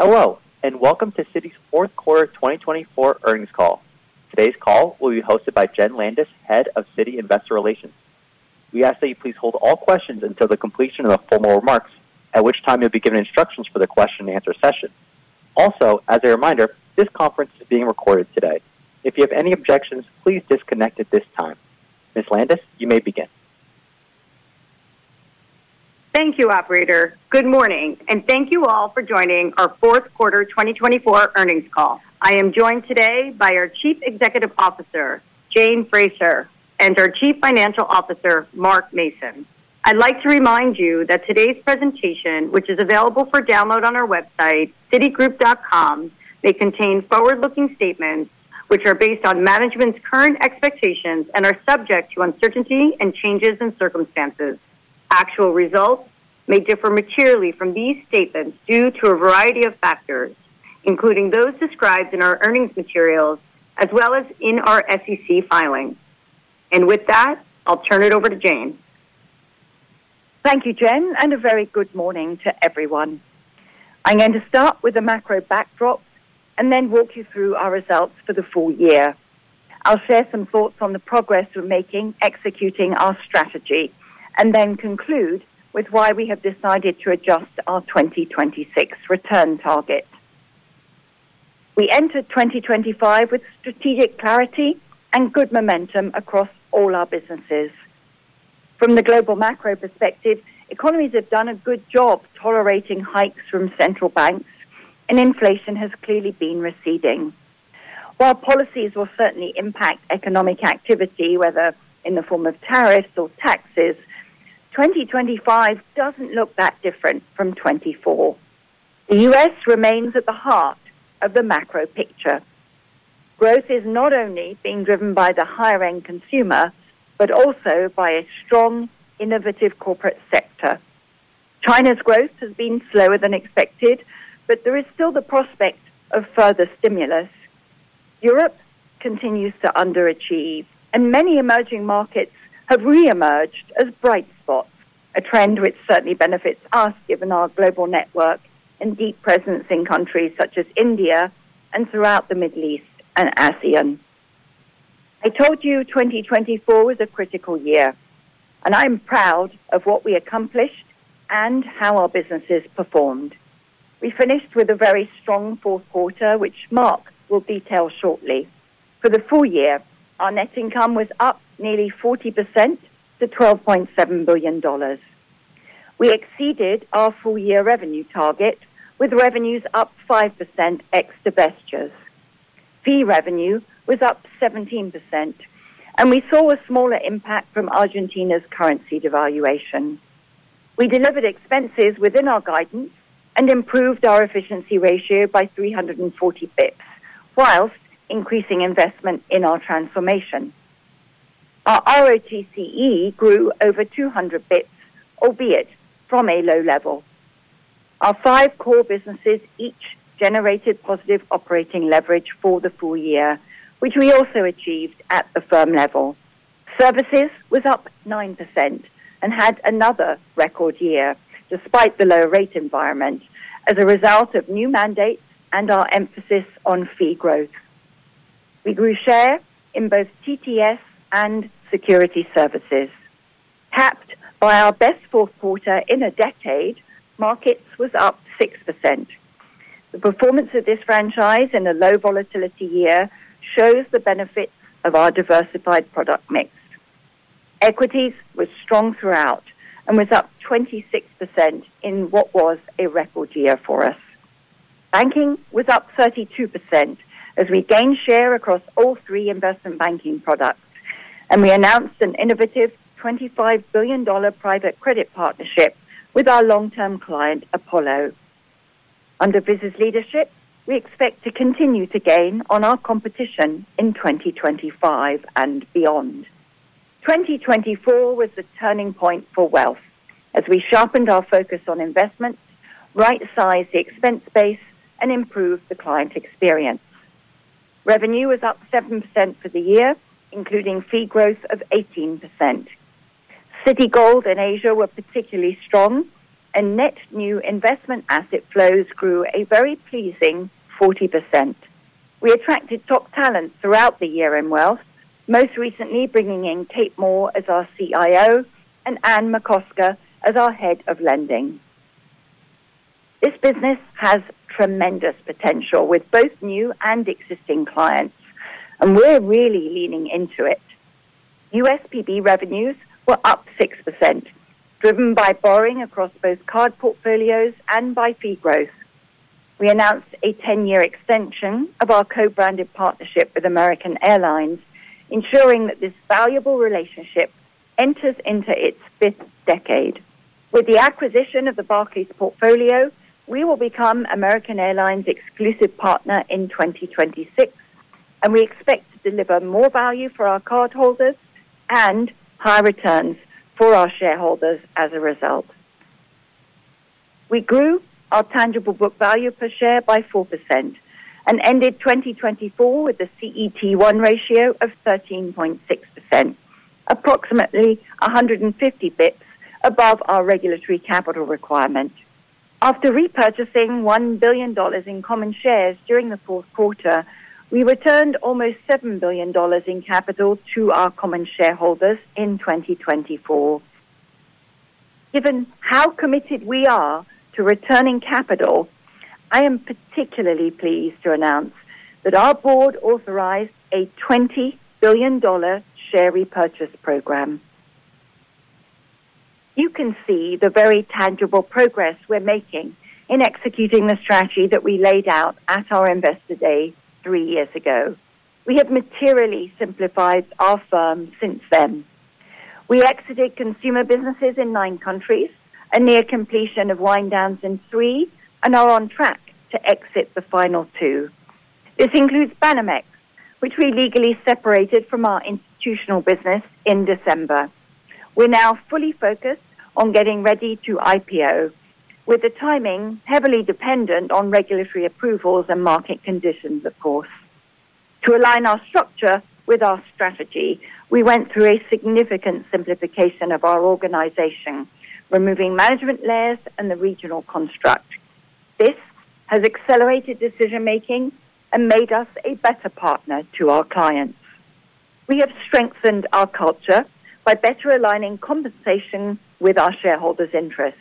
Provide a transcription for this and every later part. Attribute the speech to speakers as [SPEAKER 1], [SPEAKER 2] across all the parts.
[SPEAKER 1] Hello, and welcome to Citi's Fourth Quarter 2024 earnings call. Today's call will be hosted by Jen Landis, Head of Citi Investor Relations. We ask that you please hold all questions until the completion of the formal remarks, at which time you'll be given instructions for the question-and-answer session. Also, as a reminder, this conference is being recorded today. If you have any objections, please disconnect at this time. Ms. Landis, you may begin.
[SPEAKER 2] Thank you, Operator. Good morning, and thank you all for joining our Fourth Quarter 2024 earnings call. I am joined today by our Chief Executive Officer, Jane Fraser, and our Chief Financial Officer, Mark Mason. I'd like to remind you that today's presentation, which is available for download on our website, citigroup.com, may contain forward-looking statements which are based on management's current expectations and are subject to uncertainty and changes in circumstances. Actual results may differ materially from these statements due to a variety of factors, including those described in our earnings materials as well as in our SEC filings. And with that, I'll turn it over to Jane.
[SPEAKER 3] Thank you, Jen, and a very good morning to everyone. I'm going to start with a macro backdrop and then walk you through our results for the full year. I'll share some thoughts on the progress we're making executing our strategy and then conclude with why we have decided to adjust our 2026 return target. We entered 2025 with strategic clarity and good momentum across all our businesses. From the global macro perspective, economies have done a good job tolerating hikes from central banks, and inflation has clearly been receding. While policies will certainly impact economic activity, whether in the form of tariffs or taxes, 2025 doesn't look that different from 2024. The U.S. remains at the heart of the macro picture. Growth is not only being driven by the higher-end consumer but also by a strong, innovative corporate sector. China's growth has been slower than expected, but there is still the prospect of further stimulus. Europe continues to underachieve, and many emerging Markets have reemerged as bright spots, a trend which certainly benefits us given our global network and deep presence in countries such as India and throughout the Middle East and ASEAN. I told you 2024 was a critical year, and I'm proud of what we accomplished and how our businesses performed. We finished with a very strong fourth quarter, which Mark will detail shortly. For the full year, our net income was up nearly 40% to $12.7 billion. We exceeded our full-year revenue target with revenues up 5% ex-D&A. Fee revenue was up 17%, and we saw a smaller impact from Argentina's currency devaluation. We delivered expenses within our guidance and improved our efficiency ratio by 340 basis points, while increasing investment in our transformation. Our ROTCE grew over 200 basis points, albeit from a low level. Our five core businesses each generated positive operating leverage for the full year, which we also achieved at the firm level. Services was up 9% and had another record year despite the low-rate environment as a result of new mandates and our emphasis on fee growth. We grew share in both TTS and Security Services. Capped by our best fourth quarter in a decade, markets was up 6%. The performance of this franchise in a low-volatility year shows the benefits of our diversified product mix. Equities was strong throughout and was up 26% in what was a record year for us. Banking was up 32% as we gained share across all three investment Banking products, and we announced an innovative $25 billion private credit partnership with our long-term client, Apollo. Under business leadership, we expect to continue to gain on our competition in 2025 and beyond. 2024 was the turning point for Wealth as we sharpened our focus on investments, right-sized the expense base, and improved the client experience. Revenue was up 7% for the year, including fee growth of 18%. Citigold and Asia were particularly strong, and net new investment asset flows grew a very pleasing 40%. We attracted top talent throughout the year in Wealth, most recently bringing in Kate Moore as our CIO and Andy McCosker as our head of lending. This business has tremendous potential with both new and existing clients, and we're really leaning into it. USPB revenues were up 6%, driven by borrowing across both card portfolios and by fee growth. We announced a 10-year extension of our co-branded partnership with American Airlines, ensuring that this valuable relationship enters into its fifth decade. With the acquisition of the Barclays portfolio, we will become American Airlines' exclusive partner in 2026, and we expect to deliver more value for our cardholders and high returns for our shareholders as a result. We grew our tangible book value per share by 4% and ended 2024 with a CET1 ratio of 13.6%, approximately 150 basis points above our regulatory capital requirement. After repurchasing $1 billion in common shares during the fourth quarter, we returned almost $7 billion in capital to our common shareholders in 2024. Given how committed we are to returning capital, I am particularly pleased to announce that our board authorized a $20 billion share repurchase program. You can see the very tangible progress we're making in executing the strategy that we laid out at our investor day three years ago. We have materially simplified our firm since then. We exited consumer businesses in nine countries, a near completion of wind-downs in three, and are on track to exit the final two. This includes Banamex, which we legally separated from our institutional business in December. We're now fully focused on getting ready to IPO, with the timing heavily dependent on regulatory approvals and market conditions, of course. To align our structure with our strategy, we went through a significant simplification of our organization, removing management layers and the regional construct. This has accelerated decision-making and made us a better partner to our clients. We have strengthened our culture by better aligning compensation with our shareholders' interests,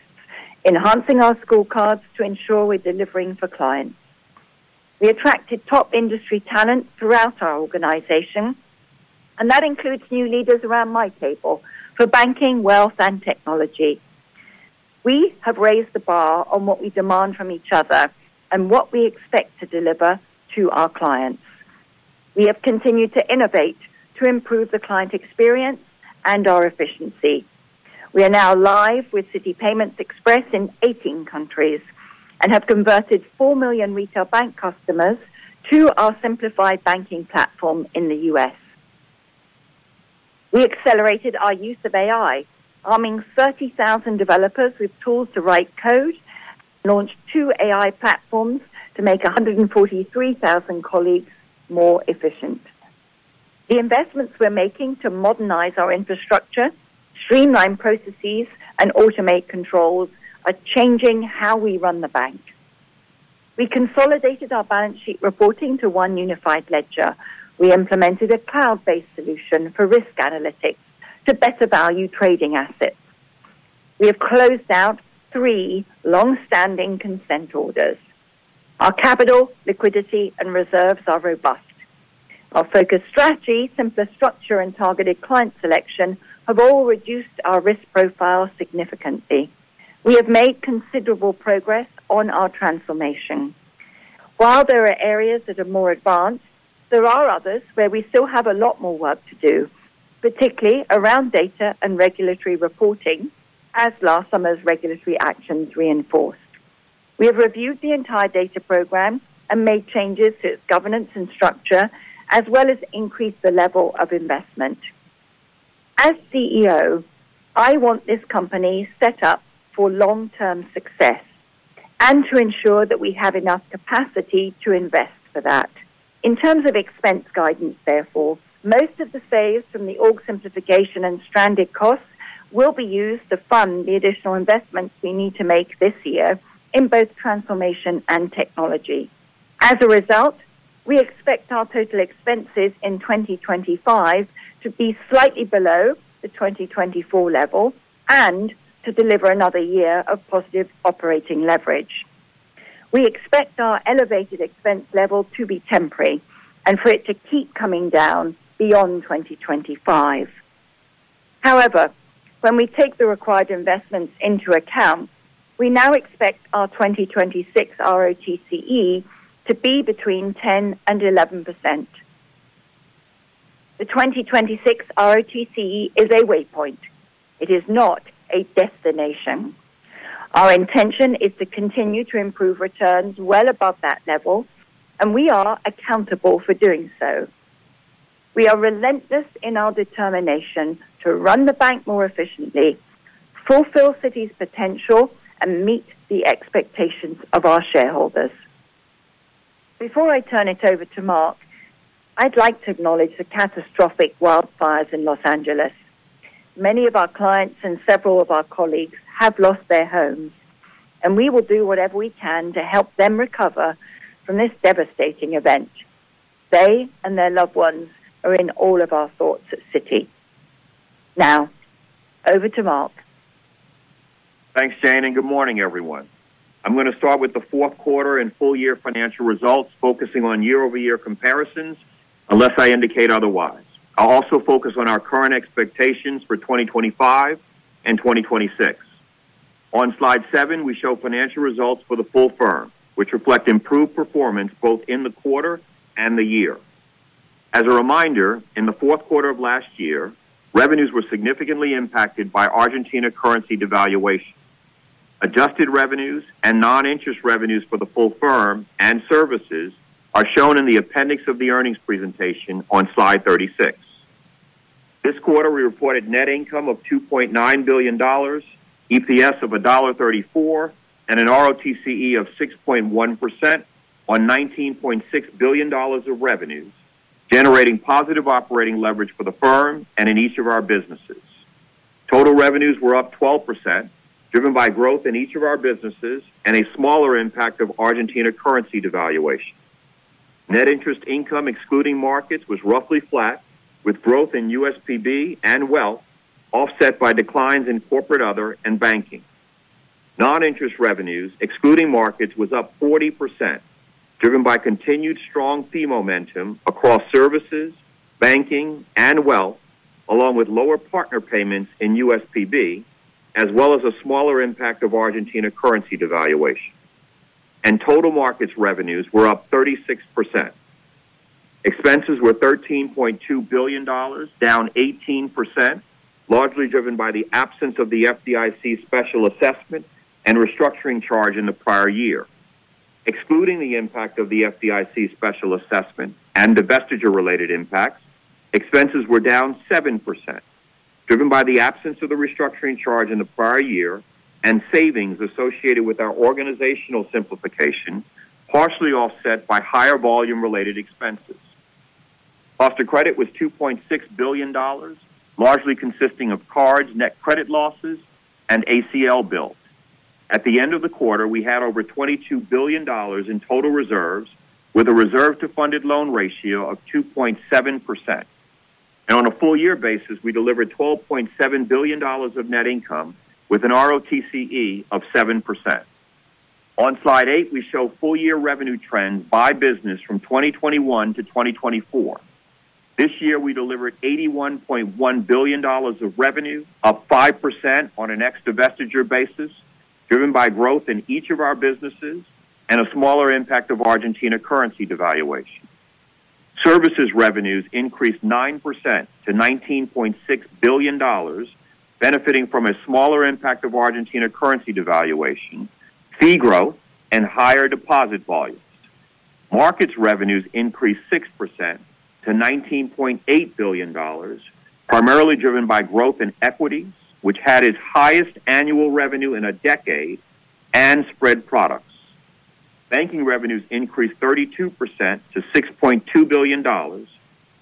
[SPEAKER 3] enhancing our scorecards to ensure we're delivering for clients. We attracted top industry talent throughout our organization, and that includes new leaders around my table for banking, wealth, and technology. We have raised the bar on what we demand from each other and what we expect to deliver to our clients. We have continued to innovate to improve the client experience and our efficiency. We are now live with Citi Payment Express in 18 countries and have converted 4 million retail bank customers to our simplified banking platform in the U.S. We accelerated our use of AI, arming 30,000 developers with tools to write code, launched two AI platforms to make 143,000 colleagues more efficient. The investments we're making to modernize our infrastructure, streamline processes, and automate controls are changing how we run the bank. We consolidated our balance sheet reporting to one unified ledger. We implemented a cloud-based solution for risk analytics to better value trading assets. We have closed out three long-standing consent orders. Our capital, liquidity, and reserves are robust. Our focus strategy, simpler structure, and targeted client selection have all reduced our risk profile significantly. We have made considerable progress on our transformation. While there are areas that are more advanced, there are others where we still have a lot more work to do, particularly around data and regulatory reporting, as last summer's regulatory actions reinforced. We have reviewed the entire data program and made changes to its governance and structure, as well as increased the level of investment. As CEO, I want this company set up for long-term success and to ensure that we have enough capacity to invest for that. In terms of expense guidance, therefore, most of the saves from the org simplification and stranded costs will be used to fund the additional investments we need to make this year in both transformation and technology. As a result, we expect our total expenses in 2025 to be slightly below the 2024 level and to deliver another year of positive operating leverage. We expect our elevated expense level to be temporary and for it to keep coming down beyond 2025. However, when we take the required investments into account, we now expect our 2026 ROTCE to be between 10% and 11%. The 2026 ROTCE is a waypoint. It is not a destination. Our intention is to continue to improve returns well above that level, and we are accountable for doing so. We are relentless in our determination to run the bank more efficiently, fulfill Citi's potential, and meet the expectations of our shareholders. Before I turn it over to Mark, I'd like to acknowledge the catastrophic wildfires in Los Angeles. Many of our clients and several of our colleagues have lost their homes, and we will do whatever we can to help them recover from this devastating event. They and their loved ones are in all of our thoughts at Citi. Now, over to Mark.
[SPEAKER 4] Thanks, Jane, and good morning, everyone. I'm going to start with the fourth quarter and full-year financial results, focusing on year-over-year comparisons unless I indicate otherwise. I'll also focus on our current expectations for 2025 and 2026. On slide seven, we show financial results for the full firm, which reflect improved performance both in the quarter and the year. As a reminder, in the fourth quarter of last year, revenues were significantly impacted by Argentina currency devaluation. Adjusted revenues and non-interest revenues for the full firm and services are shown in the appendix of the earnings presentation on slide 36. This quarter, we reported net income of $2.9 billion, EPS of $1.34, and an ROTCE of 6.1% on $19.6 billion of revenues, generating positive operating leverage for the firm and in each of our businesses. Total revenues were up 12%, driven by growth in each of our businesses and a smaller impact of Argentina currency devaluation. Net interest income, excluding markets, was roughly flat, with growth in USPB and wealth offset by declines in Corporate/Other and banking. Non-interest revenues, excluding markets, was up 40%, driven by continued strong fee momentum across services, banking, and wealth, along with lower partner payments in USPB, as well as a smaller impact of Argentina currency devaluation, and total markets revenues were up 36%. Expenses were $13.2 billion, down 18%, largely driven by the absence of the FDIC special assessment and restructuring charge in the prior year. Excluding the impact of the FDIC special assessment and divestiture-related impacts, expenses were down 7%, driven by the absence of the restructuring charge in the prior year and savings associated with our organizational simplification, partially offset by higher volume-related expenses. After credit was $2.6 billion, largely consisting of cards, net credit losses, and ACL builds. At the end of the quarter, we had over $22 billion in total reserves with a reserve-to-funded loan ratio of 2.7%. And on a full-year basis, we delivered $12.7 billion of net income with an ROTCE of 7%. On slide eight, we show full-year revenue trends by business from 2021–2024. This year, we delivered $81.1 billion of revenue, up 5% on an ex-divestiture basis, driven by growth in each of our businesses and a smaller impact of Argentina currency devaluation. Services revenues increased 9% to $19.6 billion, benefiting from a smaller impact of Argentina currency devaluation, fee growth, and higher deposit volumes. Markets revenues increased 6% to $19.8 billion, primarily driven by growth in equities, which had its highest annual revenue in a decade, and spread products. Banking revenues increased 32% to $6.2 billion,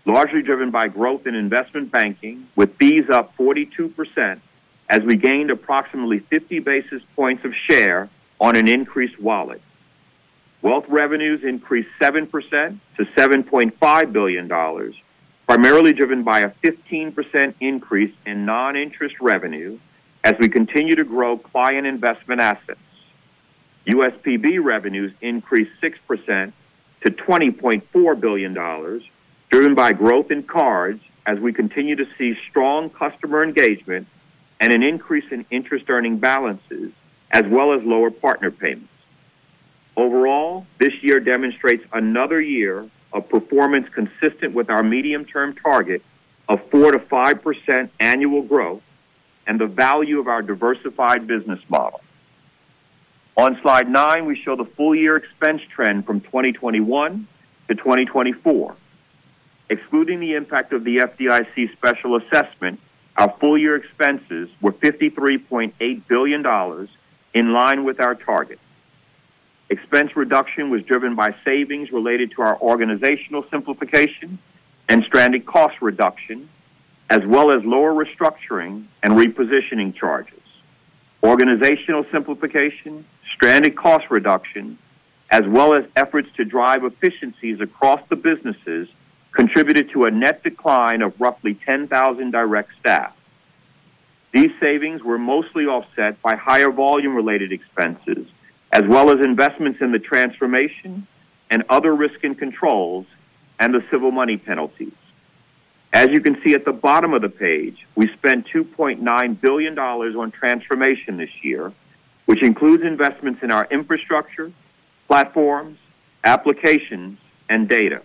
[SPEAKER 4] largely driven by growth in investment banking, with fees up 42% as we gained approximately 50 basis points of share on an increased wallet. Wealth revenues increased 7% to $7.5 billion, primarily driven by a 15% increase in non-interest revenue as we continue to grow client investment assets. USPB revenues increased 6% to $20.4 billion, driven by growth in cards as we continue to see strong customer engagement and an increase in interest-earning balances, as well as lower partner payments. Overall, this year demonstrates another year of performance consistent with our medium-term target of 4%–5% annual growth and the value of our diversified business model. On slide nine, we show the full-year expense trend from 2021 to 2024. Excluding the impact of the FDIC special assessment, our full-year expenses were $53.8 billion, in line with our target. Expense reduction was driven by savings related to our organizational simplification and stranded cost reduction, as well as lower restructuring and repositioning charges. Organizational simplification, stranded cost reduction, as well as efforts to drive efficiencies across the businesses contributed to a net decline of roughly 10,000 direct staff. These savings were mostly offset by higher volume-related expenses, as well as investments in the Transformation and other risk and controls, and the civil money penalties. As you can see at the bottom of the page, we spent $2.9 billion on Transformation this year, which includes investments in our infrastructure, platforms, applications, and data.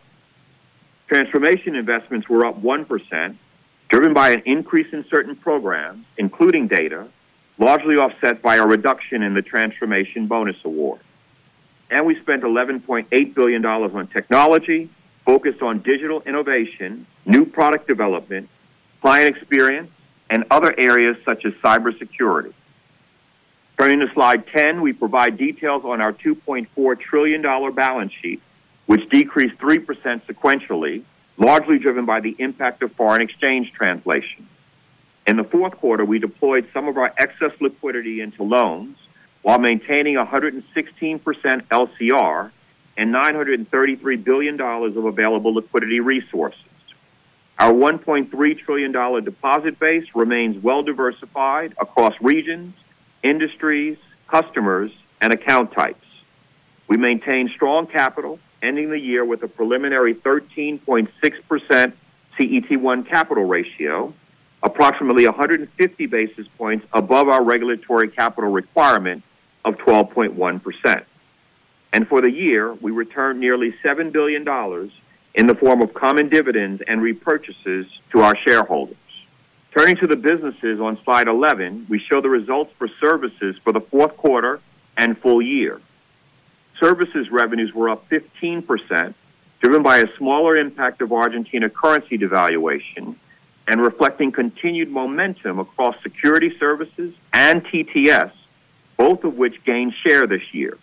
[SPEAKER 4] Transformation investments were up 1%, driven by an increase in certain programs, including data, largely offset by a reduction in the Transformation bonus award. And we spent $11.8 billion on technology, focused on digital innovation, new product development, client experience, and other areas such as cybersecurity. Turning to slide 10, we provide details on our $2.4 trillion balance sheet, which decreased 3% sequentially, largely driven by the impact of foreign exchange translation. In the fourth quarter, we deployed some of our excess liquidity into loans while maintaining 116% LCR and $933 billion of available liquidity resources. Our $1.3 trillion deposit base remains well-diversified across regions, industries, customers, and account types. We maintain strong capital, ending the year with a preliminary 13.6% CET1 capital ratio, approximately 150 basis points above our regulatory capital requirement of 12.1%. And for the year, we returned nearly $7 billion in the form of common dividends and repurchases to our shareholders. Turning to the businesses on slide 11, we show the results for services for the fourth quarter and full year. Services revenues were up 15%, driven by a smaller impact of Argentina currency devaluation and reflecting continued momentum across security services and TTS, both of which gained share this year.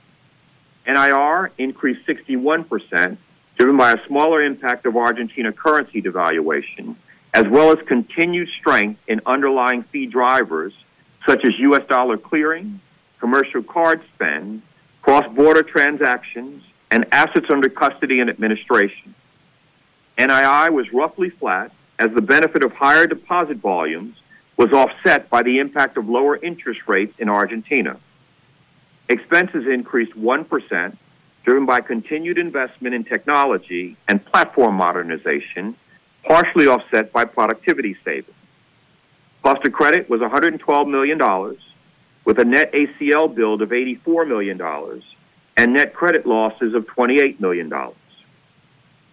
[SPEAKER 4] NIR increased 61%, driven by a smaller impact of Argentina currency devaluation, as well as continued strength in underlying fee drivers such as U.S. dollar clearing, commercial card spend, cross-border transactions, and assets under custody and administration. NII was roughly flat as the benefit of higher deposit volumes was offset by the impact of lower interest rates in Argentina. Expenses increased 1%, driven by continued investment in technology and platform modernization, partially offset by productivity savings. Provision for credit losses was $112 million, with a net ACL build of $84 million and net credit losses of $28 million.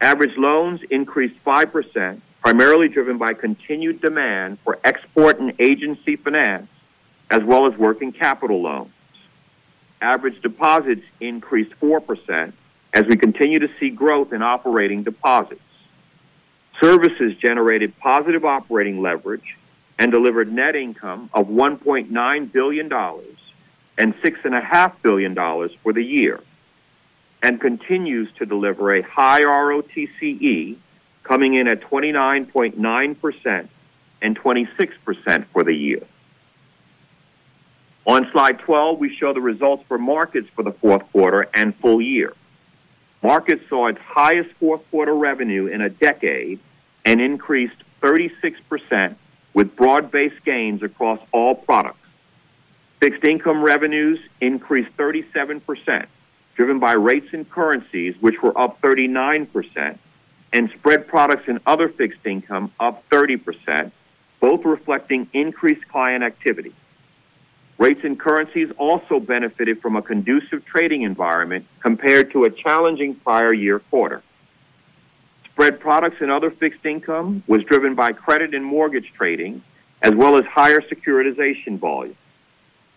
[SPEAKER 4] Average loans increased 5%, primarily driven by continued demand for export and agency finance, as well as working capital loans. Average deposits increased 4% as we continue to see growth in operating deposits. Services generated positive operating leverage and delivered net income of $1.9 billion and $6.5 billion for the year, and continues to deliver a high ROTCE, coming in at 29.9% and 26% for the year. On slide 12, we show the results for markets for the fourth quarter and full year. Markets saw its highest fourth quarter revenue in a decade and increased 36% with broad-based gains across all products. Fixed income revenues increased 37%, driven by rates and currencies, which were up 39%, and spread products and other fixed income up 30%, both reflecting increased client activity. Rates and currencies also benefited from a conducive trading environment compared to a challenging prior year quarter. Spread products and other fixed income was driven by credit and mortgage trading, as well as higher securitization volume.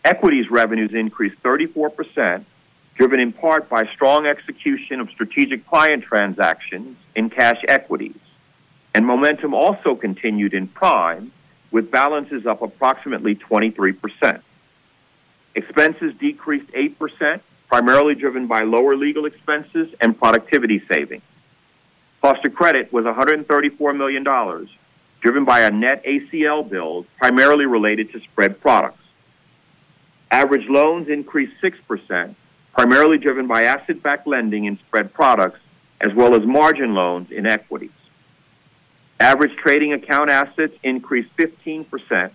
[SPEAKER 4] Equities revenues increased 34%, driven in part by strong execution of strategic client transactions in cash equities. Momentum also continued in prime, with balances up approximately 23%. Expenses decreased 8%, primarily driven by lower legal expenses and productivity savings. Provision for credit losses was $134 million, driven by a net ACL build primarily related to spread products. Average loans increased 6%, primarily driven by asset-backed lending in spread products, as well as margin loans in equities. Average trading account assets increased 15%,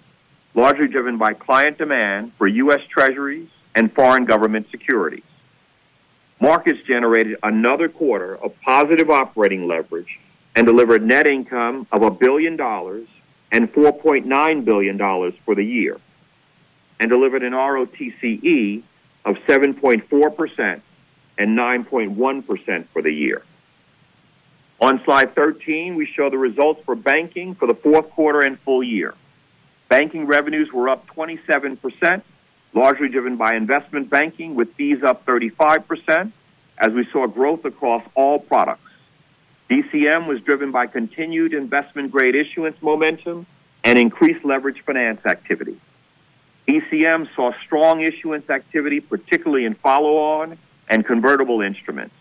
[SPEAKER 4] largely driven by client demand for U.S. Treasuries and foreign government securities. Markets generated another quarter of positive operating leverage and delivered net income of $1 billion and $4.9 billion for the year, and delivered an ROTCE of 7.4% and 9.1% for the year. On slide 13, we show the results for banking for the fourth quarter and full year. Banking revenues were up 27%, largely driven by investment banking, with fees up 35%, as we saw growth across all products. DCM was driven by continued investment-grade issuance momentum and increased leverage finance activity. DCM saw strong issuance activity, particularly in follow-on and convertible instruments.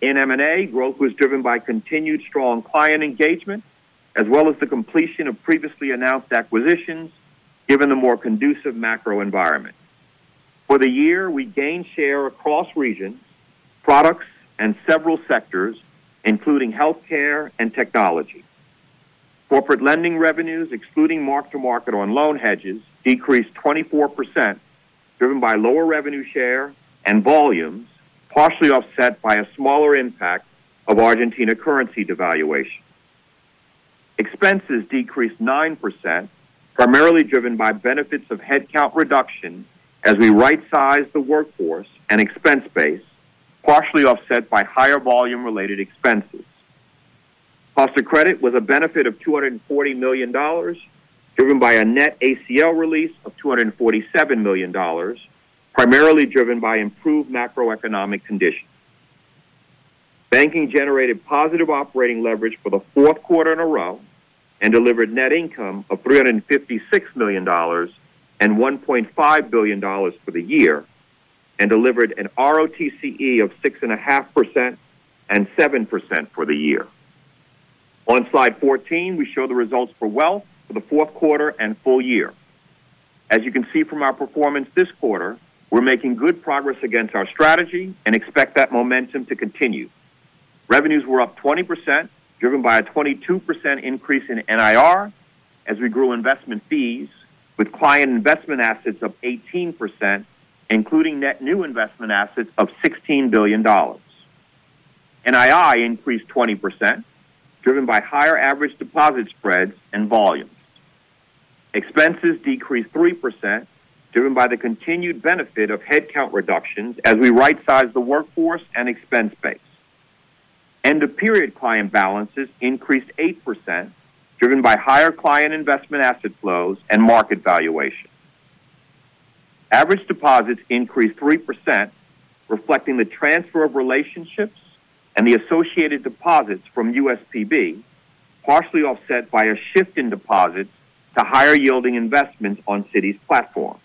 [SPEAKER 4] In M&A, growth was driven by continued strong client engagement, as well as the completion of previously announced acquisitions, given the more conducive macro environment. For the year, we gained share across regions, products, and several sectors, including healthcare and technology. Corporate lending revenues, excluding mark-to-market on loan hedges, decreased 24%, driven by lower revenue share and volumes, partially offset by a smaller impact of Argentina currency devaluation. Expenses decreased 9%, primarily driven by benefits of headcount reduction as we right-sized the workforce and expense base, partially offset by higher volume-related expenses. Post credit was a benefit of $240 million, driven by a net ACL release of $247 million, primarily driven by improved macroeconomic conditions. Banking generated positive operating leverage for the fourth quarter in a row and delivered net income of $356 million and $1.5 billion for the year, and delivered an ROTCE of 6.5% and 7% for the year. On slide 14, we show the results for wealth for the fourth quarter and full year. As you can see from our performance this quarter, we're making good progress against our strategy and expect that momentum to continue. Revenues were up 20%, driven by a 22% increase in NIR as we grew investment fees, with client investment assets up 18%, including net new investment assets of $16 billion. NII increased 20%, driven by higher average deposit spreads and volumes. Expenses decreased 3%, driven by the continued benefit of headcount reductions as we right-sized the workforce and expense base. End-of-period client balances increased 8%, driven by higher client investment asset flows and market valuation. Average deposits increased 3%, reflecting the transfer of relationships and the associated deposits from USPB, partially offset by a shift in deposits to higher-yielding investments on Citi's platform.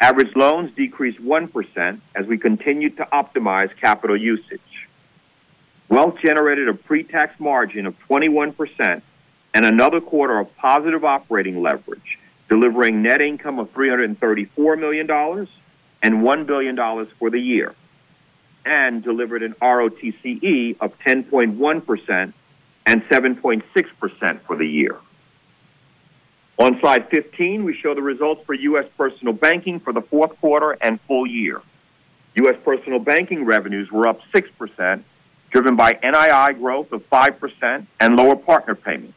[SPEAKER 4] Average loans decreased 1% as we continued to optimize capital usage. Wealth generated a pre-tax margin of 21% and another quarter of positive operating leverage, delivering net income of $334 million and $1 billion for the year, and delivered an ROTCE of 10.1% and 7.6% for the year. On slide 15, we show the results for US Personal Banking for the fourth quarter and full year. US Personal Banking revenues were up 6%, driven by NII growth of 5% and lower partner payments.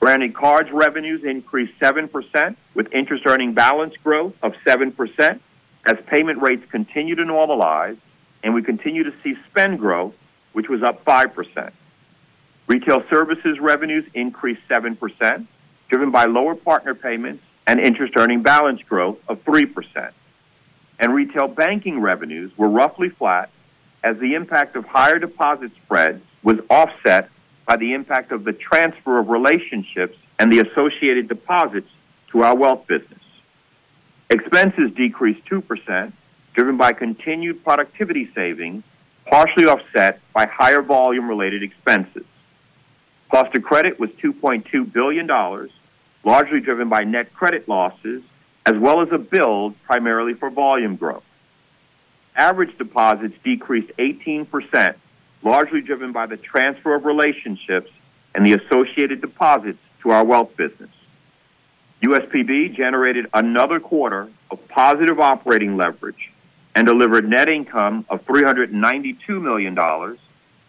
[SPEAKER 4] Branded Cards' revenues increased 7%, with interest-earning balance growth of 7% as payment rates continue to normalize, and we continue to see spend growth, which was up 5%. Retail Services revenues increased 7%, driven by lower partner payments and interest-earning balance growth of 3%. And retail banking revenues were roughly flat as the impact of higher deposit spreads was offset by the impact of the transfer of relationships and the associated deposits to our wealth business. Expenses decreased 2%, driven by continued productivity savings, partially offset by higher volume-related expenses. Provision for credit losses was $2.2 billion, largely driven by net credit losses, as well as a build primarily for volume growth. Average deposits decreased 18%, largely driven by the transfer of relationships and the associated deposits to our wealth business. USPB generated another quarter of positive operating leverage and delivered net income of $392 million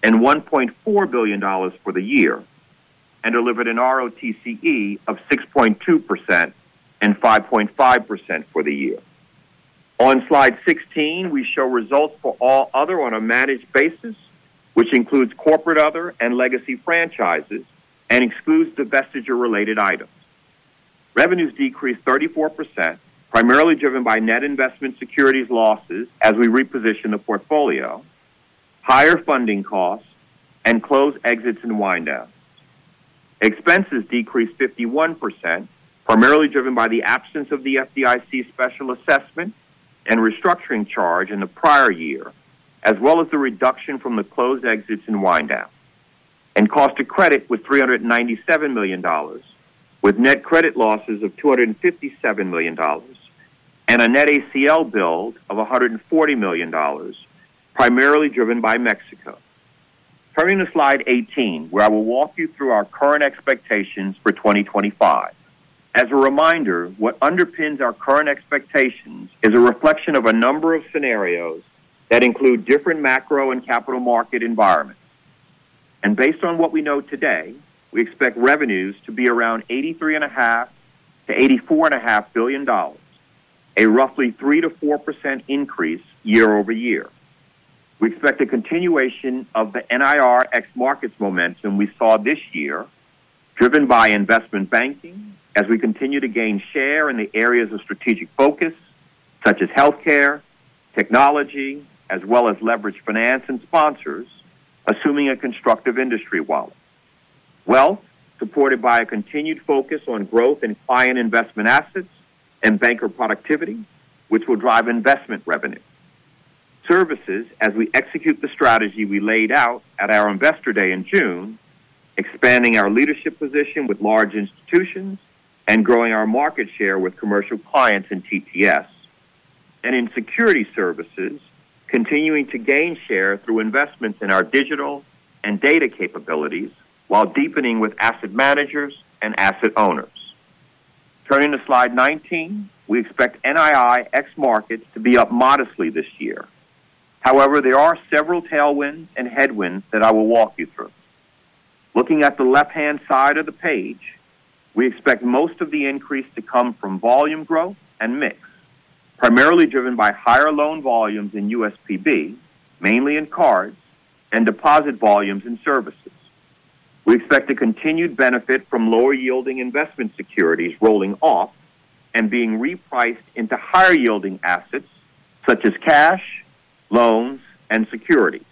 [SPEAKER 4] and $1.4 billion for the year, and delivered an ROTCE of 6.2% and 5.5% for the year. On slide 16, we show results for all other on a managed basis, which includes corporate other and legacy franchises and excludes divestiture-related items. Revenues decreased 34%, primarily driven by net investment securities losses as we reposition the portfolio, higher funding costs, and closed exits and wind-downs. Expenses decreased 51%, primarily driven by the absence of the FDIC special assessment and restructuring charge in the prior year, as well as the reduction from the closed exits and wind-down, and cost of credit was $397 million, with net credit losses of $257 million and a net ACL build of $140 million, primarily driven by Mexico. Turning to slide 18, where I will walk you through our current expectations for 2025. As a reminder, what underpins our current expectations is a reflection of a number of scenarios that include different macro and capital market environments. Based on what we know today, we expect revenues to be around $83.5–$84.5 billion, a roughly 3%–4% increase year-over-year. We expect a continuation of the NIR ex-markets momentum we saw this year, driven by investment banking as we continue to gain share in the areas of strategic focus, such as healthcare, technology, as well as leverage finance and sponsors, assuming a constructive industry wallet. Wealth supported by a continued focus on growth in client investment assets and banker productivity, which will drive investment revenue. Services, as we execute the strategy we laid out at our investor day in June, expanding our leadership position with large institutions and growing our market share with commercial clients and TTS. And in security services, continuing to gain share through investments in our digital and data capabilities while deepening with asset managers and asset owners. Turning to slide 19, we expect NII ex-markets to be up modestly this year. However, there are several tailwinds and headwinds that I will walk you through. Looking at the left-hand side of the page, we expect most of the increase to come from volume growth and mix, primarily driven by higher loan volumes in USPB, mainly in cards, and deposit volumes in services. We expect a continued benefit from lower-yielding investment securities rolling off and being repriced into higher-yielding assets, such as cash, loans, and securities.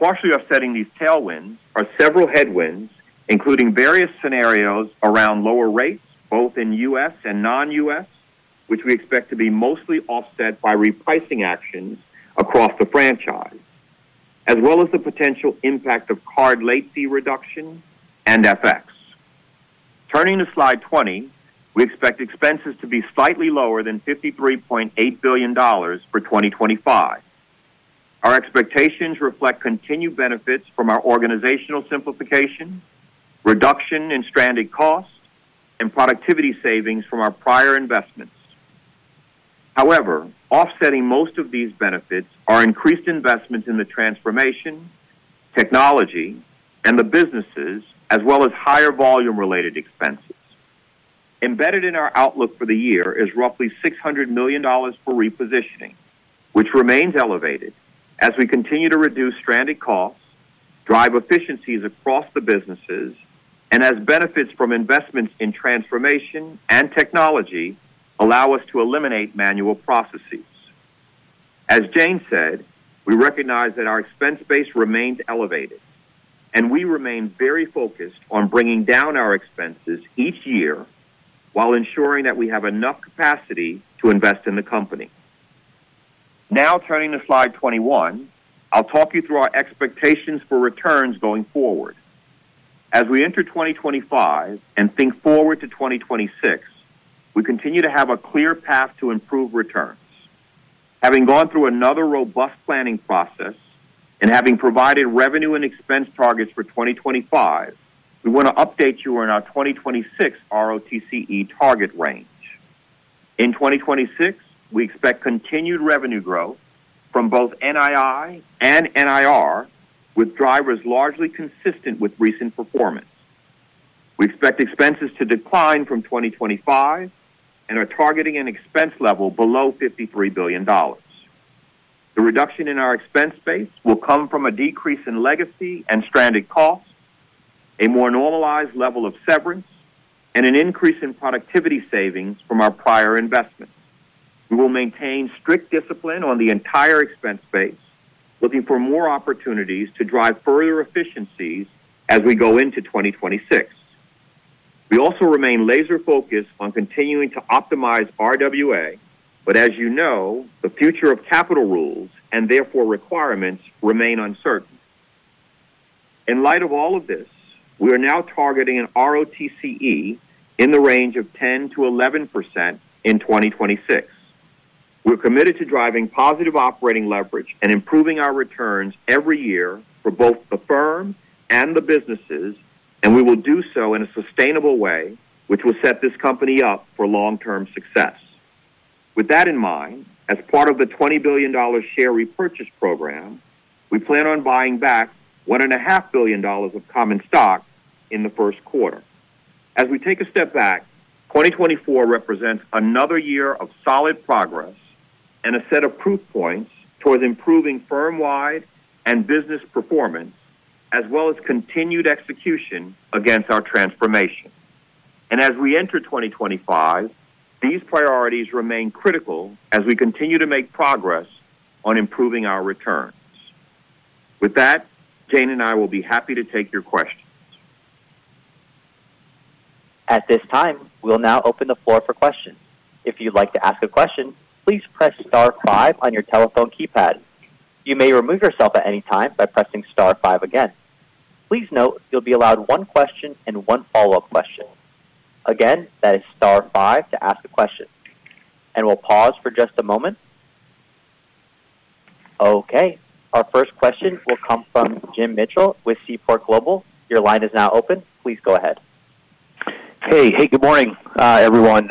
[SPEAKER 4] Partially offsetting these tailwinds are several headwinds, including various scenarios around lower rates, both in U.S. and non-U.S., which we expect to be mostly offset by repricing actions across the franchise, as well as the potential impact of card late fee reduction and FX. Turning to slide 20, we expect expenses to be slightly lower than $53.8 billion for 2025. Our expectations reflect continued benefits from our organizational simplification, reduction in stranded costs, and productivity savings from our prior investments. However, offsetting most of these benefits are increased investments in the transformation, technology, and the businesses, as well as higher volume-related expenses. Embedded in our outlook for the year is roughly $600 million for repositioning, which remains elevated as we continue to reduce stranded costs, drive efficiencies across the businesses, and as benefits from investments in transformation and technology allow us to eliminate manual processes. As Jane said, we recognize that our expense base remains elevated, and we remain very focused on bringing down our expenses each year while ensuring that we have enough capacity to invest in the company. Now, turning to slide 21, I'll talk you through our expectations for returns going forward. As we enter 2025 and think forward to 2026, we continue to have a clear path to improve returns. Having gone through another robust planning process and having provided revenue and expense targets for 2025, we want to update you on our 2026 ROTCE target range. In 2026, we expect continued revenue growth from both NII and NIR, with drivers largely consistent with recent performance. We expect expenses to decline from 2025 and are targeting an expense level below $53 billion. The reduction in our expense base will come from a decrease in legacy and stranded costs, a more normalized level of severance, and an increase in productivity savings from our prior investments. We will maintain strict discipline on the entire expense base, looking for more opportunities to drive further efficiencies as we go into 2026. We also remain laser-focused on continuing to optimize RWA, but as you know, the future of capital rules and therefore requirements remain uncertain. In light of all of this, we are now targeting an ROTCE in the range of 10%-11% in 2026. We're committed to driving positive operating leverage and improving our returns every year for both the firm and the businesses, and we will do so in a sustainable way, which will set this company up for long-term success. With that in mind, as part of the $20 billion share repurchase program, we plan on buying back $1.5 billion of common stock in the first quarter. As we take a step back, 2024 represents another year of solid progress and a set of proof points towards improving firm-wide and business performance, as well as continued execution against our transformation. And as we enter 2025, these priorities remain critical as we continue to make progress on improving our returns. With that, Jane and I will be happy to take your questions.
[SPEAKER 1] At this time, we'll now open the floor for questions. If you'd like to ask a question, please press star five on your telephone keypad. You may remove yourself at any time by pressing star five again. Please note you'll be allowed one question and one follow-up question. Again, that is star five to ask a question. We'll pause for just a moment. Okay. Our first question will come from Jim Mitchell with Seaport Global. Your line is now open. Please go ahead.
[SPEAKER 5] Hey. Hey. Good morning, everyone.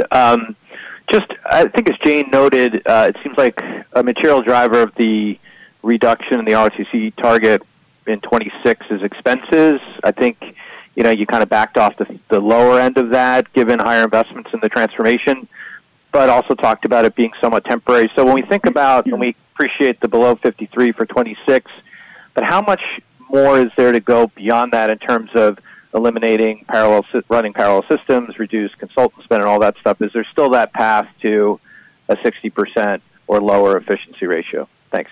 [SPEAKER 5] Just, I think as Jane noted, it seems like a material driver of the reduction in the ROTCE target in 2026 is expenses. I think you kind of backed off the lower end of that, given higher investments in the transformation, but also talked about it being somewhat temporary. So when we think about, and we appreciate the below 53 for 2026, but how much more is there to go beyond that in terms of eliminating running parallel systems, reduced consultant spend, and all that stuff? Is there still that path to a 60% or lower efficiency ratio? Thanks.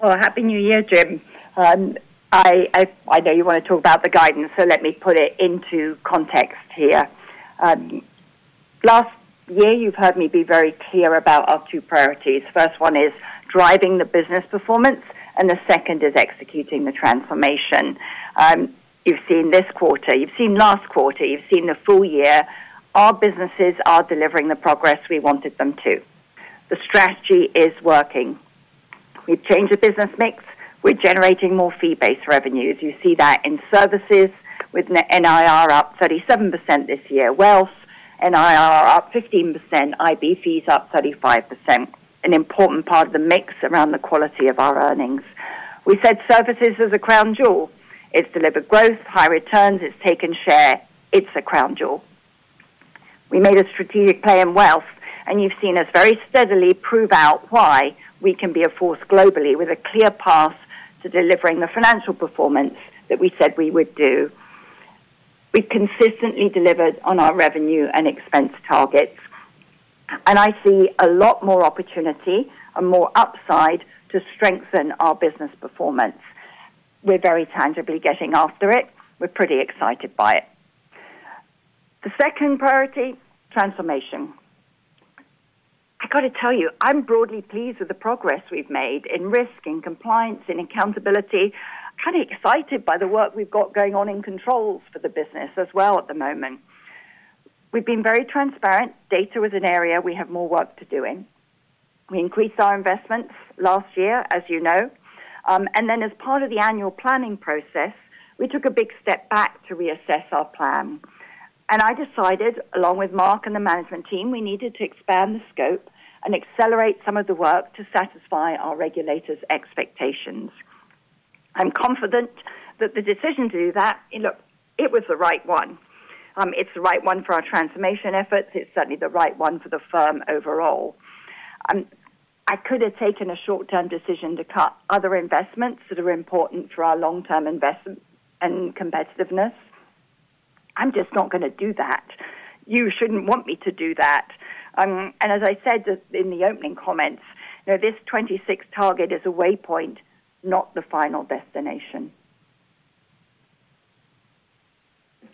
[SPEAKER 3] Well, happy New Year, Jim. I know you want to talk about the guidance, so let me put it into context here. Last year, you've heard me be very clear about our two priorities. The first one is driving the business performance, and the second is executing the transformation. You've seen this quarter. You've seen last quarter. You've seen the full year. Our businesses are delivering the progress we wanted them to. The strategy is working. We've changed the business mix. We're generating more fee-based revenues. You see that in services with NIR up 37% this year, wealth, NIR up 15%, IB fees up 35%, an important part of the mix around the quality of our earnings. We said services is a crown jewel. It's delivered growth, high returns. It's taken share. It's a crown jewel. We made a strategic play in wealth, and you've seen us very steadily prove out why we can be a force globally with a clear path to delivering the financial performance that we said we would do. We've consistently delivered on our revenue and expense targets, and I see a lot more opportunity and more upside to strengthen our business performance. We're very tangibly getting after it. We're pretty excited by it. The second priority, transformation. I got to tell you, I'm broadly pleased with the progress we've made in risk, in compliance, in accountability. Kind of excited by the work we've got going on in controls for the business as well at the moment. We've been very transparent. Data was an area we have more work to do in. We increased our investments last year, as you know. Then, as part of the annual planning process, we took a big step back to reassess our plan. I decided, along with Mark and the management team, we needed to expand the scope and accelerate some of the work to satisfy our regulator's expectations. I'm confident that the decision to do that, look, it was the right one. It's the right one for our transformation efforts. It's certainly the right one for the firm overall. I could have taken a short-term decision to cut other investments that are important for our long-term investment and competitiveness. I'm just not going to do that. You shouldn't want me to do that. As I said in the opening comments, this 2026 target is a waypoint, not the final destination.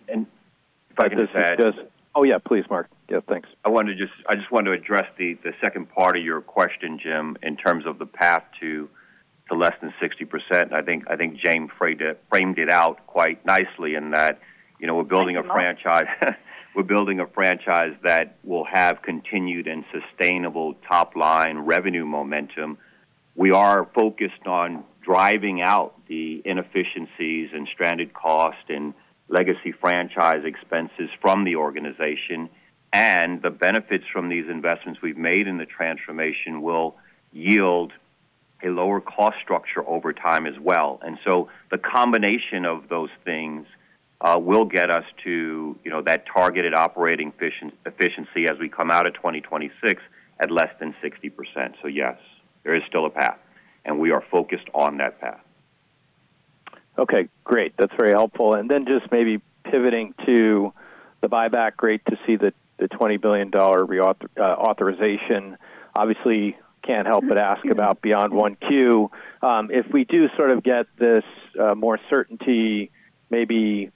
[SPEAKER 4] If I could just,
[SPEAKER 5] oh, yeah, please, Mark.
[SPEAKER 4] Yeah, thanks. I just wanted to address the second part of your question, Jim, in terms of the path to less than 60%. I think Jane framed it out quite nicely in that we're building a franchise that will have continued and sustainable top-line revenue momentum. We are focused on driving out the inefficiencies and stranded costs and legacy franchise expenses from the organization. And the benefits from these investments we've made in the transformation will yield a lower cost structure over time as well. And so the combination of those things will get us to that targeted operating efficiency as we come out of 2026 at less than 60%. So yes, there is still a path, and we are focused on that path.
[SPEAKER 5] Okay. Great. That's very helpful. And then just maybe pivoting to the buyback, great to see the $20 billion authorization. Obviously, can't help but ask about B3E. If we do sort of get this more certainty, maybe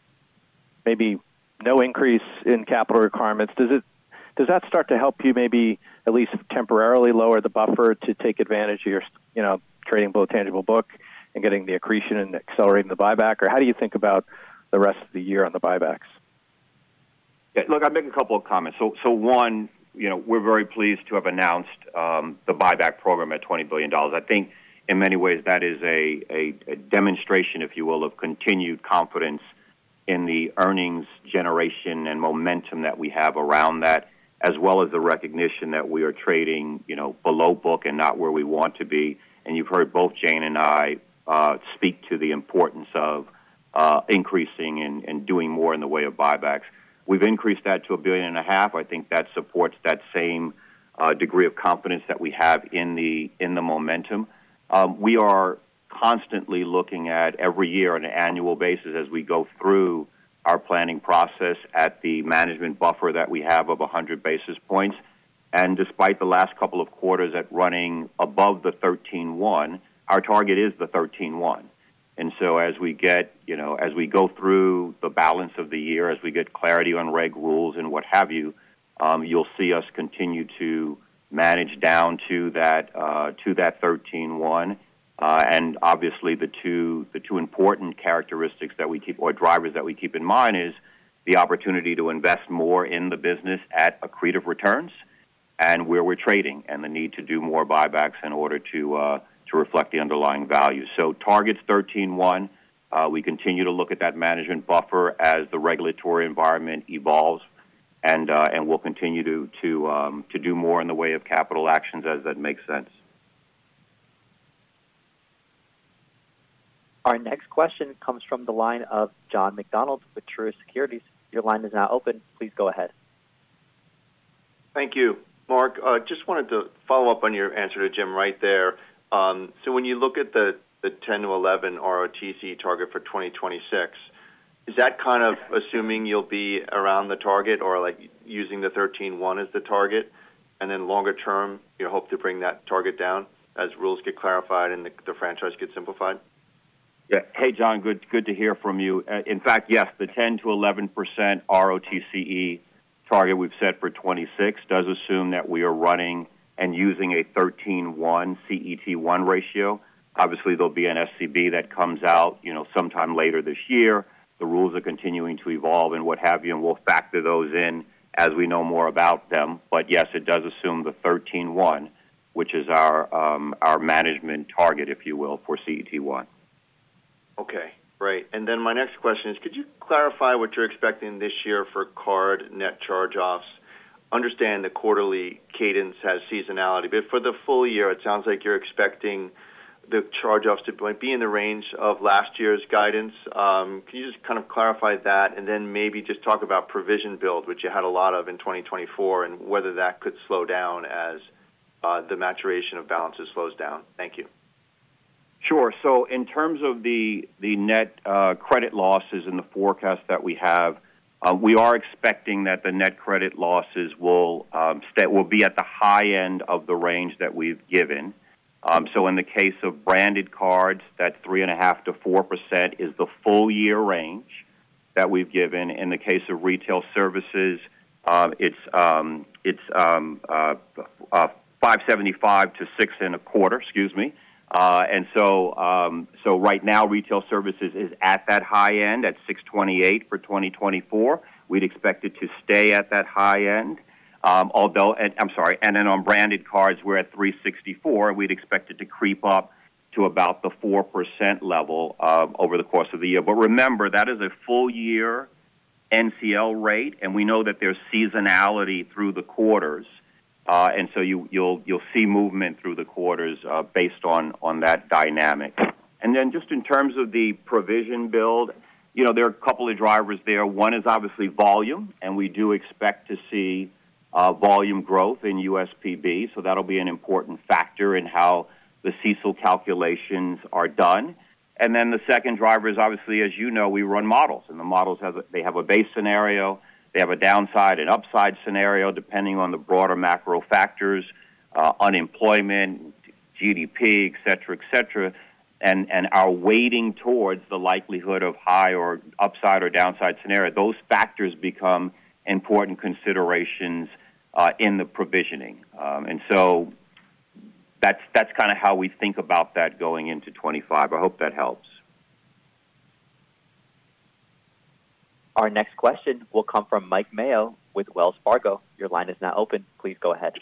[SPEAKER 5] no increase in capital requirements, does that start to help you maybe at least temporarily lower the buffer to take advantage of your trading below tangible book and getting the accretion and accelerating the buyback? Or how do you think about the rest of the year on the buybacks?
[SPEAKER 4] Look, I'll make a couple of comments. So one, we're very pleased to have announced the buyback program at $20 billion. I think in many ways that is a demonstration, if you will, of continued confidence in the earnings generation and momentum that we have around that, as well as the recognition that we are trading below book and not where we want to be. And you've heard both Jane and I speak to the importance of increasing and doing more in the way of buybacks. We've increased that to $1.5 billion. I think that supports that same degree of confidence that we have in the momentum. We are constantly looking at every year on an annual basis as we go through our planning process at the management buffer that we have of 100 basis points. And despite the last couple of quarters at running above the 13.1, our target is the 13.1. And so as we get, as we go through the balance of the year, as we get clarity on reg rules and what have you, you'll see us continue to manage down to that 13.1. Obviously, the two important characteristics that we keep, or drivers that we keep in mind, is the opportunity to invest more in the business at accretive returns and where we're trading and the need to do more buybacks in order to reflect the underlying value. So target's 13.1%. We continue to look at that management buffer as the regulatory environment evolves, and we'll continue to do more in the way of capital actions as that makes sense.
[SPEAKER 1] Our next question comes from the line of John McDonald with Autonomous Research. Your line is now open. Please go ahead.
[SPEAKER 6] Thank you, Mark. Just wanted to follow up on your answer to Jim right there. So when you look at the 10-11 ROTCE target for 2026, is that kind of assuming you'll be around the target or using the 13.1% as the target? And then longer term, you hope to bring that target down as rules get clarified and the franchise gets simplified?
[SPEAKER 4] Yeah. Hey, John, good to hear from you. In fact, yes, the 10%–11% ROTCE target we've set for 2026 does assume that we are running and using a 13.1 CET1 ratio. Obviously, there'll be an SCB that comes out sometime later this year. The rules are continuing to evolve and what have you, and we'll factor those in as we know more about them. But yes, it does assume the 13.1, which is our management target, if you will, for CET1.
[SPEAKER 6] Okay. Great. And then my next question is, could you clarify what you're expecting this year for card net charge-offs? Understand the quarterly cadence has seasonality, but for the full year, it sounds like you're expecting the charge-offs to be in the range of last year's guidance. Can you just kind of clarify that and then maybe just talk about provision build, which you had a lot of in 2024, and whether that could slow down as the maturation of balances slows down? Thank you.
[SPEAKER 4] Sure. So in terms of the net credit losses in the forecast that we have, we are expecting that the net credit losses will be at the high end of the range that we've given. So in the case of branded cards, that 3.5%-4% is the full year range that we've given. In the case of retail services, it's 5.75%–6.25%, excuse me. And so right now, retail services is at that high end at 6.28% for 2024. We'd expect it to stay at that high end, although, I'm sorry. And then on branded cards, we're at 3.64%, and we'd expect it to creep up to about the 4% level over the course of the year. But remember, that is a full year NCL rate, and we know that there's seasonality through the quarters. And so you'll see movement through the quarters based on that dynamic. And then just in terms of the provision build, there are a couple of drivers there. One is obviously volume, and we do expect to see volume growth in USPB. So that'll be an important factor in how the CECL calculations are done. And then the second driver is obviously, as you know, we run models, and the models have—they have a base scenario. They have a downside and upside scenario depending on the broader macro factors: unemployment, GDP, etc., etc. Our weighting towards the likelihood of high or upside or downside scenario, those factors become important considerations in the provisioning. And so that's kind of how we think about that going into 2025. I hope that helps.
[SPEAKER 1] Our next question will come from Mike Mayo with Wells Fargo. Your line is now open. Please go ahead.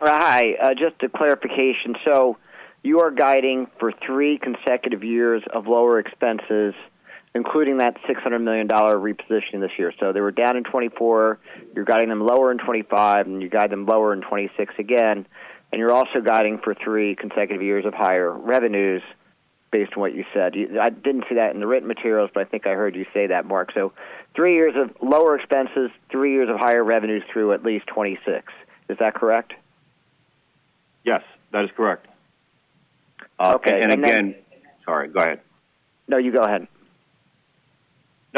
[SPEAKER 7] Hi. Just a clarification. So you are guiding for three consecutive years of lower expenses, including that $600 million repositioning this year. So they were down in 2024. You're guiding them lower in 2025, and you guide them lower in 2026 again. And you're also guiding for three consecutive years of higher revenues based on what you said. I didn't see that in the written materials, but I think I heard you say that, Mark. So three years of lower expenses, three years of higher revenues through at least 2026. Is that correct?
[SPEAKER 4] Yes, that is correct.
[SPEAKER 7] Okay.
[SPEAKER 4] And again, sorry, go ahead.
[SPEAKER 7] No, you go ahead.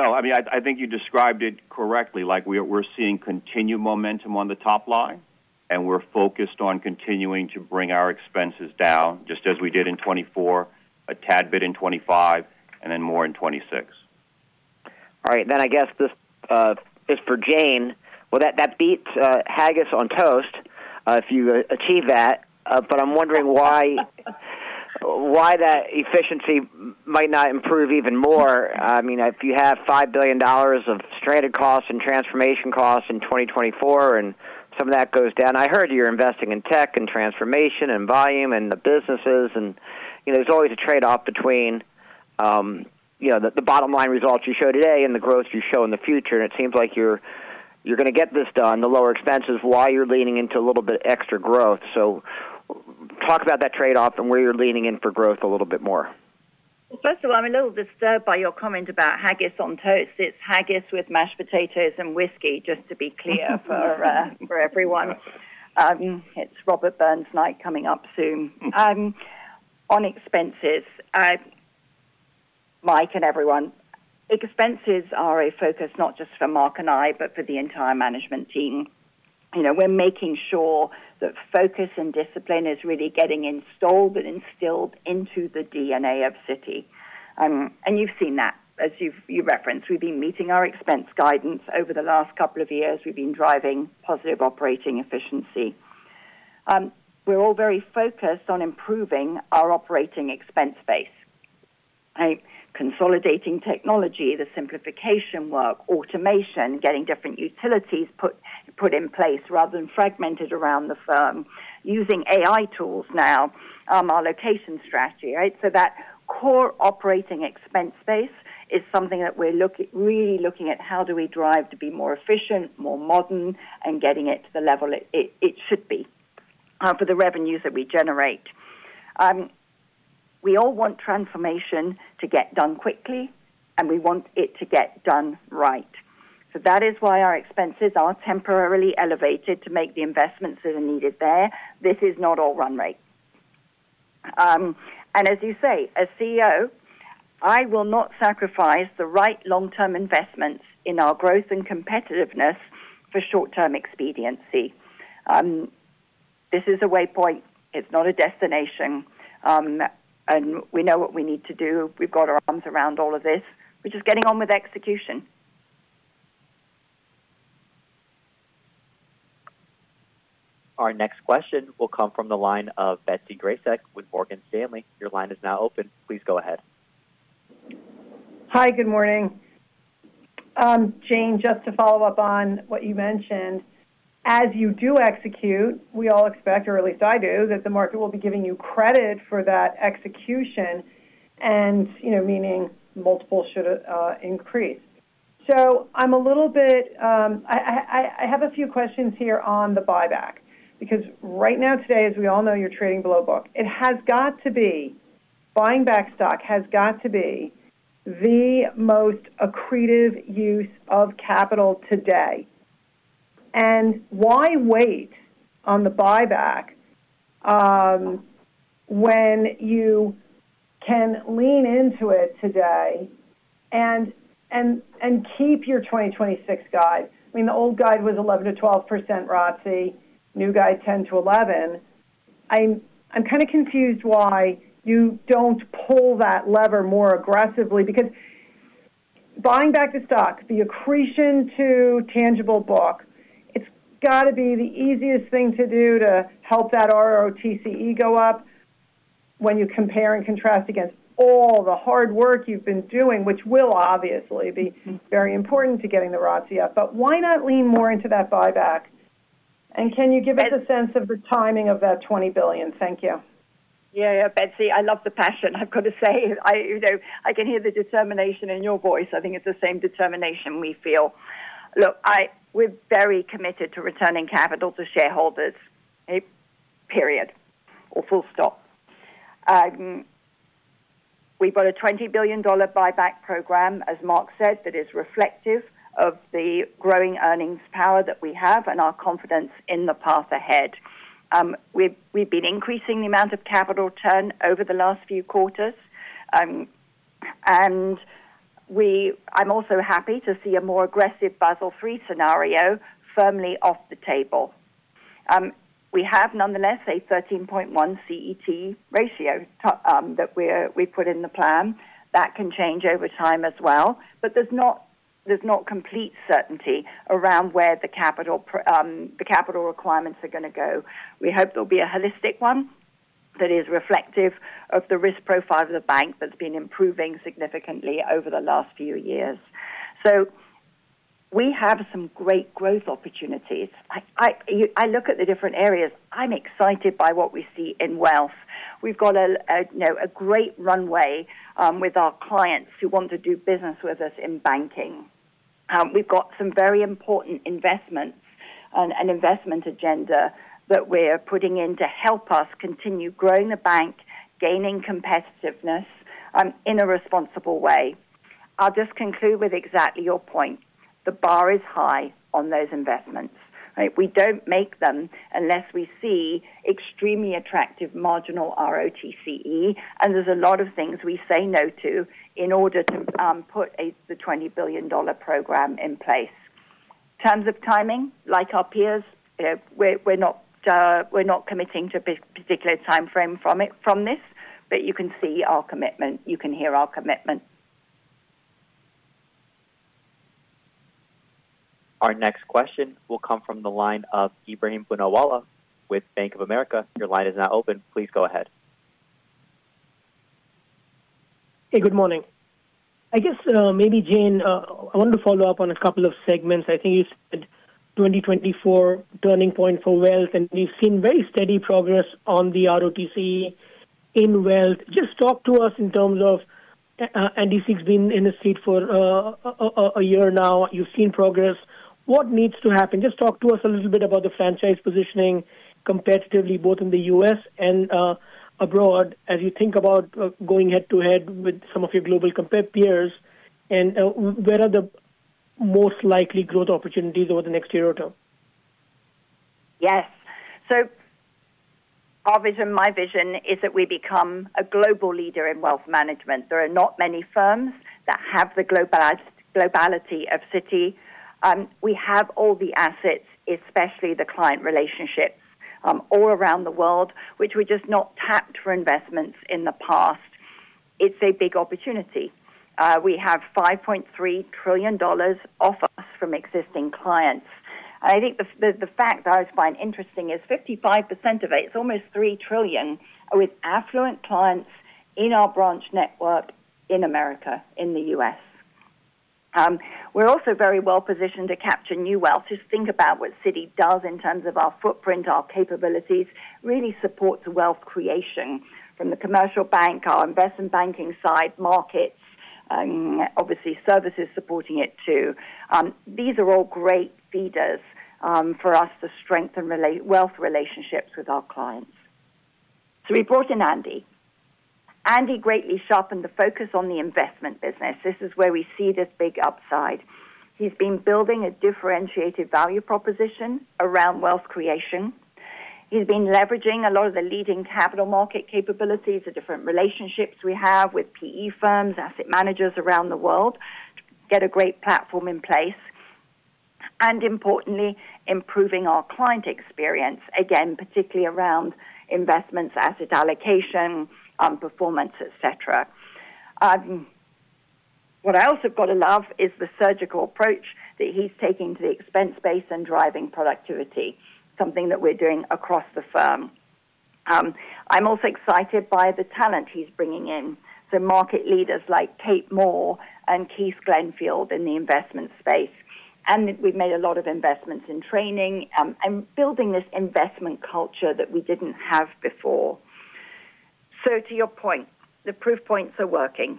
[SPEAKER 4] No, I mean, I think you described it correctly. We're seeing continued momentum on the top line, and we're focused on continuing to bring our expenses down just as we did in 2024, a tad bit in 2025, and then more in 2026.
[SPEAKER 7] All right, then I guess just for Jane, well, that beats haggis on toast if you achieve that, but I'm wondering why that efficiency might not improve even more. I mean, if you have $5 billion of stranded costs and transformation costs in 2024 and some of that goes down, I heard you're investing in tech and transformation and volume and the businesses, and there's always a trade-off between the bottom-line results you show today and the growth you show in the future. And it seems like you're going to get this done, the lower expenses, while you're leaning into a little bit extra growth. So talk about that trade-off and where you're leaning in for growth a little bit more.
[SPEAKER 3] Well, first of all, I'm a little disturbed by your comment about Haggis on toast. It's Haggis with mashed potatoes and whiskey, just to be clear for everyone. It's Robert Burns Night coming up soon. On expenses, Mike and everyone, expenses are a focus not just for Mark and I, but for the entire management team. We're making sure that focus and discipline is really getting installed and instilled into the DNA of Citi. And you've seen that, as you referenced. We've been meeting our expense guidance over the last couple of years. We've been driving positive operating efficiency. We're all very focused on improving our operating expense base, consolidating technology, the simplification work, automation, getting different utilities put in place rather than fragmented around the firm, using AI tools now, our location strategy. So that core operating expense space is something that we're really looking at: how do we drive to be more efficient, more modern, and getting it to the level it should be for the revenues that we generate? We all want transformation to get done quickly, and we want it to get done right. So that is why our expenses are temporarily elevated to make the investments that are needed there. This is not all run rate. And as you say, as CEO, I will not sacrifice the right long-term investments in our growth and competitiveness for short-term expediency. This is a waypoint. It's not a destination. And we know what we need to do. We've got our arms around all of this. We're just getting on with execution.
[SPEAKER 1] Our next question will come from the line of Betsy Graseck with Morgan Stanley. Your line is now open. Please go ahead.
[SPEAKER 8] Hi. Good morning. Jane, just to follow up on what you mentioned, as you do execute, we all expect, or at least I do, that the market will be giving you credit for that execution, meaning multiples should increase. So I'm a little bit. I have a few questions here on the buyback because right now, today, as we all know, you're trading below book. It has got to be. Buying back stock has got to be the most accretive use of capital today. And why wait on the buyback when you can lean into it today and keep your 2026 guide? I mean, the old guide was 11%-12% ROTCE. New guide, 10%-11%. I'm kind of confused why you don't pull that lever more aggressively because buying back the stock, the accretion to tangible book, it's got to be the easiest thing to do to help that ROTCE go up when you compare and contrast against all the hard work you've been doing, which will obviously be very important to getting the ROTCE up. But why not lean more into that buyback? And can you give us a sense of the timing of that $20 billion? Thank you.
[SPEAKER 3] Yeah. Betsy, I love the passion. I've got to say, I can hear the determination in your voice. I think it's the same determination we feel. Look, we're very committed to returning capital to shareholders, period, or full stop. We've got a $20 billion buyback program, as Mark said, that is reflective of the growing earnings power that we have and our confidence in the path ahead. We've been increasing the amount of capital return over the last few quarters. And I'm also happy to see a more aggressive Basel III scenario firmly off the table. We have, nonetheless, a 13.1% CET1 ratio that we've put in the plan. That can change over time as well. But there's not complete certainty around where the capital requirements are going to go. We hope there'll be a holistic one that is reflective of the risk profile of the bank that's been improving significantly over the last few years. So we have some great growth opportunities. I look at the different areas. I'm excited by what we see in wealth. We've got a great runway with our clients who want to do business with us in banking. We've got some very important investments and an investment agenda that we're putting in to help us continue growing the bank, gaining competitiveness in a responsible way. I'll just conclude with exactly your point. The bar is high on those investments. We don't make them unless we see extremely attractive marginal ROTCE, and there's a lot of things we say no to in order to put the $20 billion program in place. In terms of timing, like our peers, we're not committing to a particular timeframe from this, but you can see our commitment. You can hear our commitment.
[SPEAKER 1] Our next question will come from the line of Ebrahim Poonawalla with Bank of America. Your line is now open. Please go ahead.
[SPEAKER 9] Hey, good morning. I guess maybe, Jane, I want to follow up on a couple of segments. I think you said 2024 turning point for wealth, and we've seen very steady progress on the ROTCE in wealth. Just talk to us in terms of—and you've been in the seat for a year now. You've seen progress. What needs to happen? Just talk to us a little bit about the franchise positioning competitively, both in the U.S. and abroad, as you think about going head-to-head with some of your global peers. And where are the most likely growth opportunities over the next year or two?
[SPEAKER 3] Yes. So our vision, my vision, is that we become a global leader in wealth management. There are not many firms that have the globality of Citi. We have all the assets, especially the client relationships all around the world, which we just haven't tapped for investments in the past. It's a big opportunity. We have $5.3 trillion from existing clients, and I think the fact that I always find interesting is 55% of it, it's almost $3 trillion with affluent clients in our branch network in America, in the US. We're also very well positioned to capture new wealth. Just think about what Citi does in terms of our footprint, our capabilities, really supports wealth creation from the commercial bank, our investment banking, Services, Markets, obviously Services supporting it too. These are all great feeders for us to strengthen wealth relationships with our clients, so we brought in Andy. Andy greatly sharpened the focus on the investment business. This is where we see this big upside. He's been building a differentiated value proposition around wealth creation. He's been leveraging a lot of the leading capital market capabilities, the different relationships we have with PE firms, asset managers around the world to get a great platform in place. And importantly, improving our client experience, again, particularly around investments, asset allocation, performance, etc. What I also have got to love is the surgical approach that he's taking to the expense base and driving productivity, something that we're doing across the firm. I'm also excited by the talent he's bringing in, the market leaders like Kate Moore and Keith Glenfield in the investment space. And we've made a lot of investments in training and building this investment culture that we didn't have before. So to your point, the proof points are working.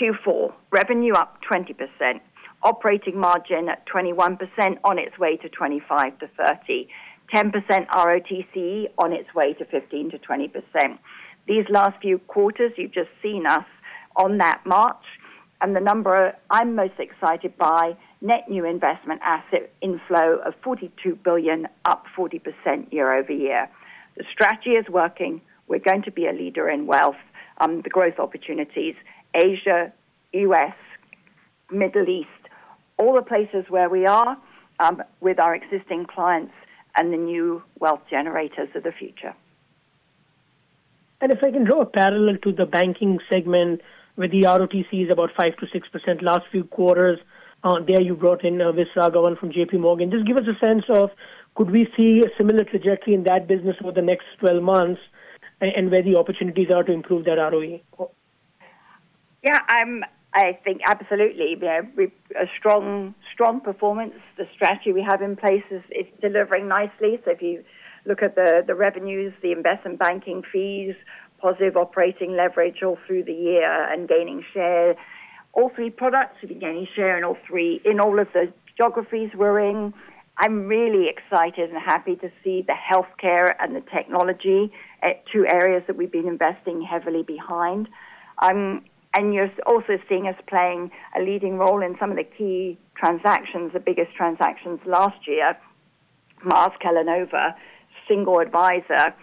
[SPEAKER 3] Q4, revenue up 20%, operating margin at 21% on its way to 25%–30%, 10% ROTCE on its way to 15%–20%. These last few quarters, you've just seen us on that march. And the number I'm most excited by, net new investment asset inflow of $42 billion, up 40% year-over-year. The strategy is working. We're going to be a leader in wealth, the growth opportunities, Asia, US, Middle East, all the places where we are with our existing clients and the new wealth generators of the future.
[SPEAKER 9] And if I can draw a parallel to the banking segment, where the ROTCE is about 5%-6% last few quarters, there you brought in Viswas Raghavan from JPMorgan Chase. Just give us a sense of, could we see a similar trajectory in that business over the next 12 months and where the opportunities are to improve that ROE?
[SPEAKER 3] Yeah, I think absolutely. A strong performance. The strategy we have in place is delivering nicely, so if you look at the revenues, the investment banking fees, positive operating leverage all through the year and gaining share, all three products, we've been gaining share in all three in all of the geographies we're in. I'm really excited and happy to see the healthcare and the technology at two areas that we've been investing heavily behind, and you're also seeing us playing a leading role in some of the key transactions, the biggest transactions last year, Mars-Kellanova, sole advisor,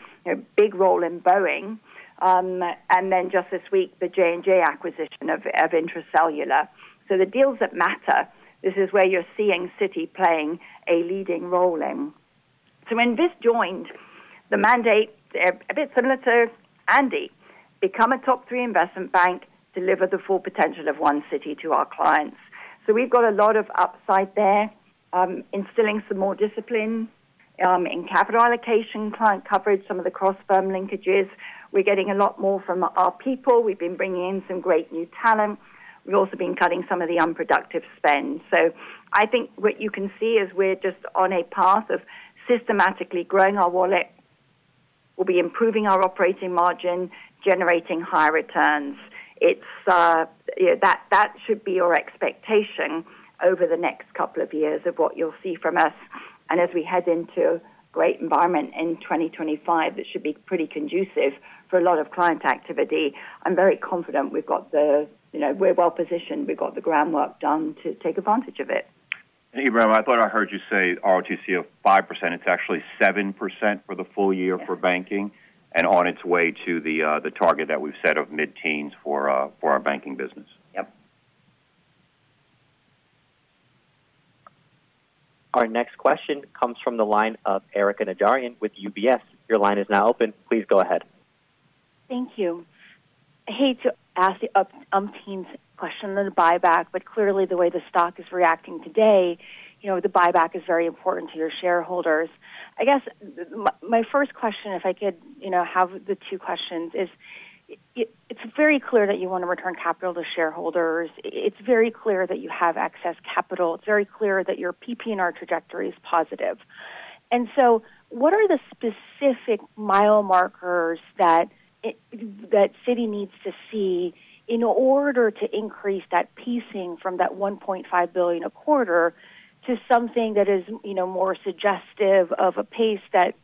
[SPEAKER 3] big role in Boeing, and then just this week, the J&J acquisition of Intra-Cellular. So the deals that matter, this is where you're seeing Citi playing a leading role in. So when Viswas joined, the mandate, a bit similar to Andy, become a top three investment bank, deliver the full potential of one Citi to our clients. So we've got a lot of upside there, instilling some more discipline in capital allocation, client coverage, some of the cross-firm linkages. We're getting a lot more from our people. We've been bringing in some great new talent. We've also been cutting some of the unproductive spend. So I think what you can see is we're just on a path of systematically growing our wallet, will be improving our operating margin, generating higher returns. That should be your expectation over the next couple of years of what you'll see from us. As we head into a great environment in 2025, that should be pretty conducive for a lot of client activity. I'm very confident we've got the—we're well positioned. We've got the groundwork done to take advantage of it.
[SPEAKER 4] I thought I heard you say ROTCE of 5%. It's actually 7% for the full year for banking and on its way to the target that we've set of mid-teens for our banking business.
[SPEAKER 3] Yep.
[SPEAKER 1] Our next question comes from the line of Erika Najarian with UBS. Your line is now open. Please go ahead.
[SPEAKER 10] Thank you. I hate to ask the umpteen question of the buyback, but clearly the way the stock is reacting today, the buyback is very important to your shareholders. I guess my first question, if I could have the two questions, is it's very clear that you want to return capital to shareholders. It's very clear that you have excess capital. It's very clear that your PPNR trajectory is positive. So what are the specific milestones that Citi needs to see in order to increase that pacing from that $1.5 billion a quarter to something that is more suggestive of a pace that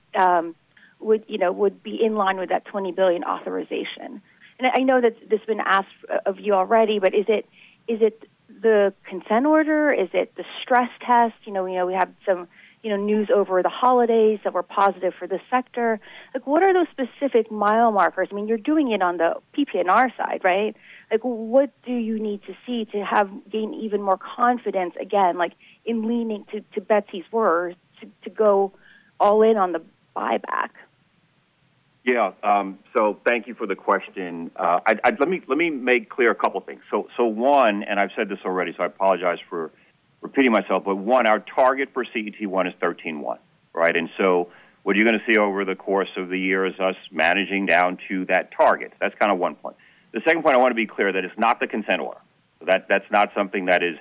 [SPEAKER 10] would be in line with that $20 billion authorization? I know that this has been asked of you already, but is it the consent order? Is it the stress test? We have some news over the holidays that were positive for the sector. What are those specific milestones? I mean, you're doing it on the PPNR side, right? What do you need to see to gain even more confidence, again, in leaning to Betsy's words to go all in on the buyback?
[SPEAKER 4] Yeah. So thank you for the question. Let me make clear a couple of things. So one, and I've said this already, so I apologize for repeating myself, but one, our target for CET1 is 13.1, right? And so what you're going to see over the course of the year is us managing down to that target. That's kind of one point. The second point, I want to be clear that it's not the consent order. That's not something that is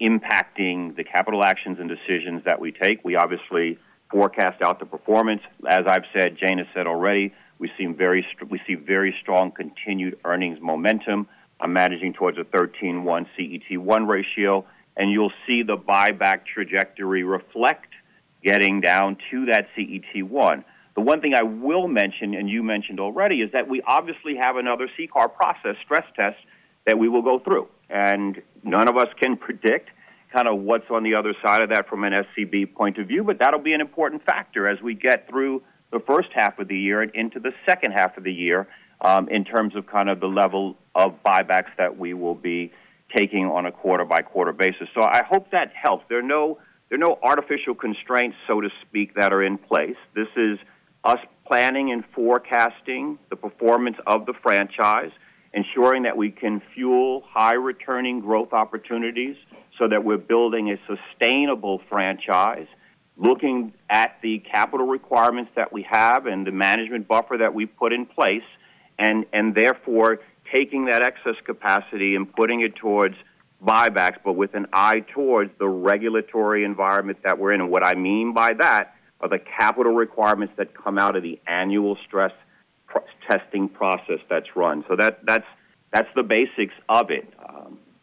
[SPEAKER 4] impacting the capital actions and decisions that we take. We obviously forecast out the performance. As I've said, Jane has said already, we see very strong continued earnings momentum. I'm managing towards a 13.1 CET1 ratio. And you'll see the buyback trajectory reflect getting down to that CET1. The one thing I will mention, and you mentioned already, is that we obviously have another CCAR process stress test that we will go through. None of us can predict kind of what's on the other side of that from an SCB point of view, but that'll be an important factor as we get through the first half of the year and into the second half of the year in terms of kind of the level of buybacks that we will be taking on a quarter-by-quarter basis. So I hope that helps. There are no artificial constraints, so to speak, that are in place. This is us planning and forecasting the performance of the franchise, ensuring that we can fuel high-returning growth opportunities so that we're building a sustainable franchise, looking at the capital requirements that we have and the management buffer that we've put in place, and therefore taking that excess capacity and putting it towards buybacks, but with an eye towards the regulatory environment that we're in. What I mean by that are the capital requirements that come out of the annual stress testing process that's run. So that's the basics of it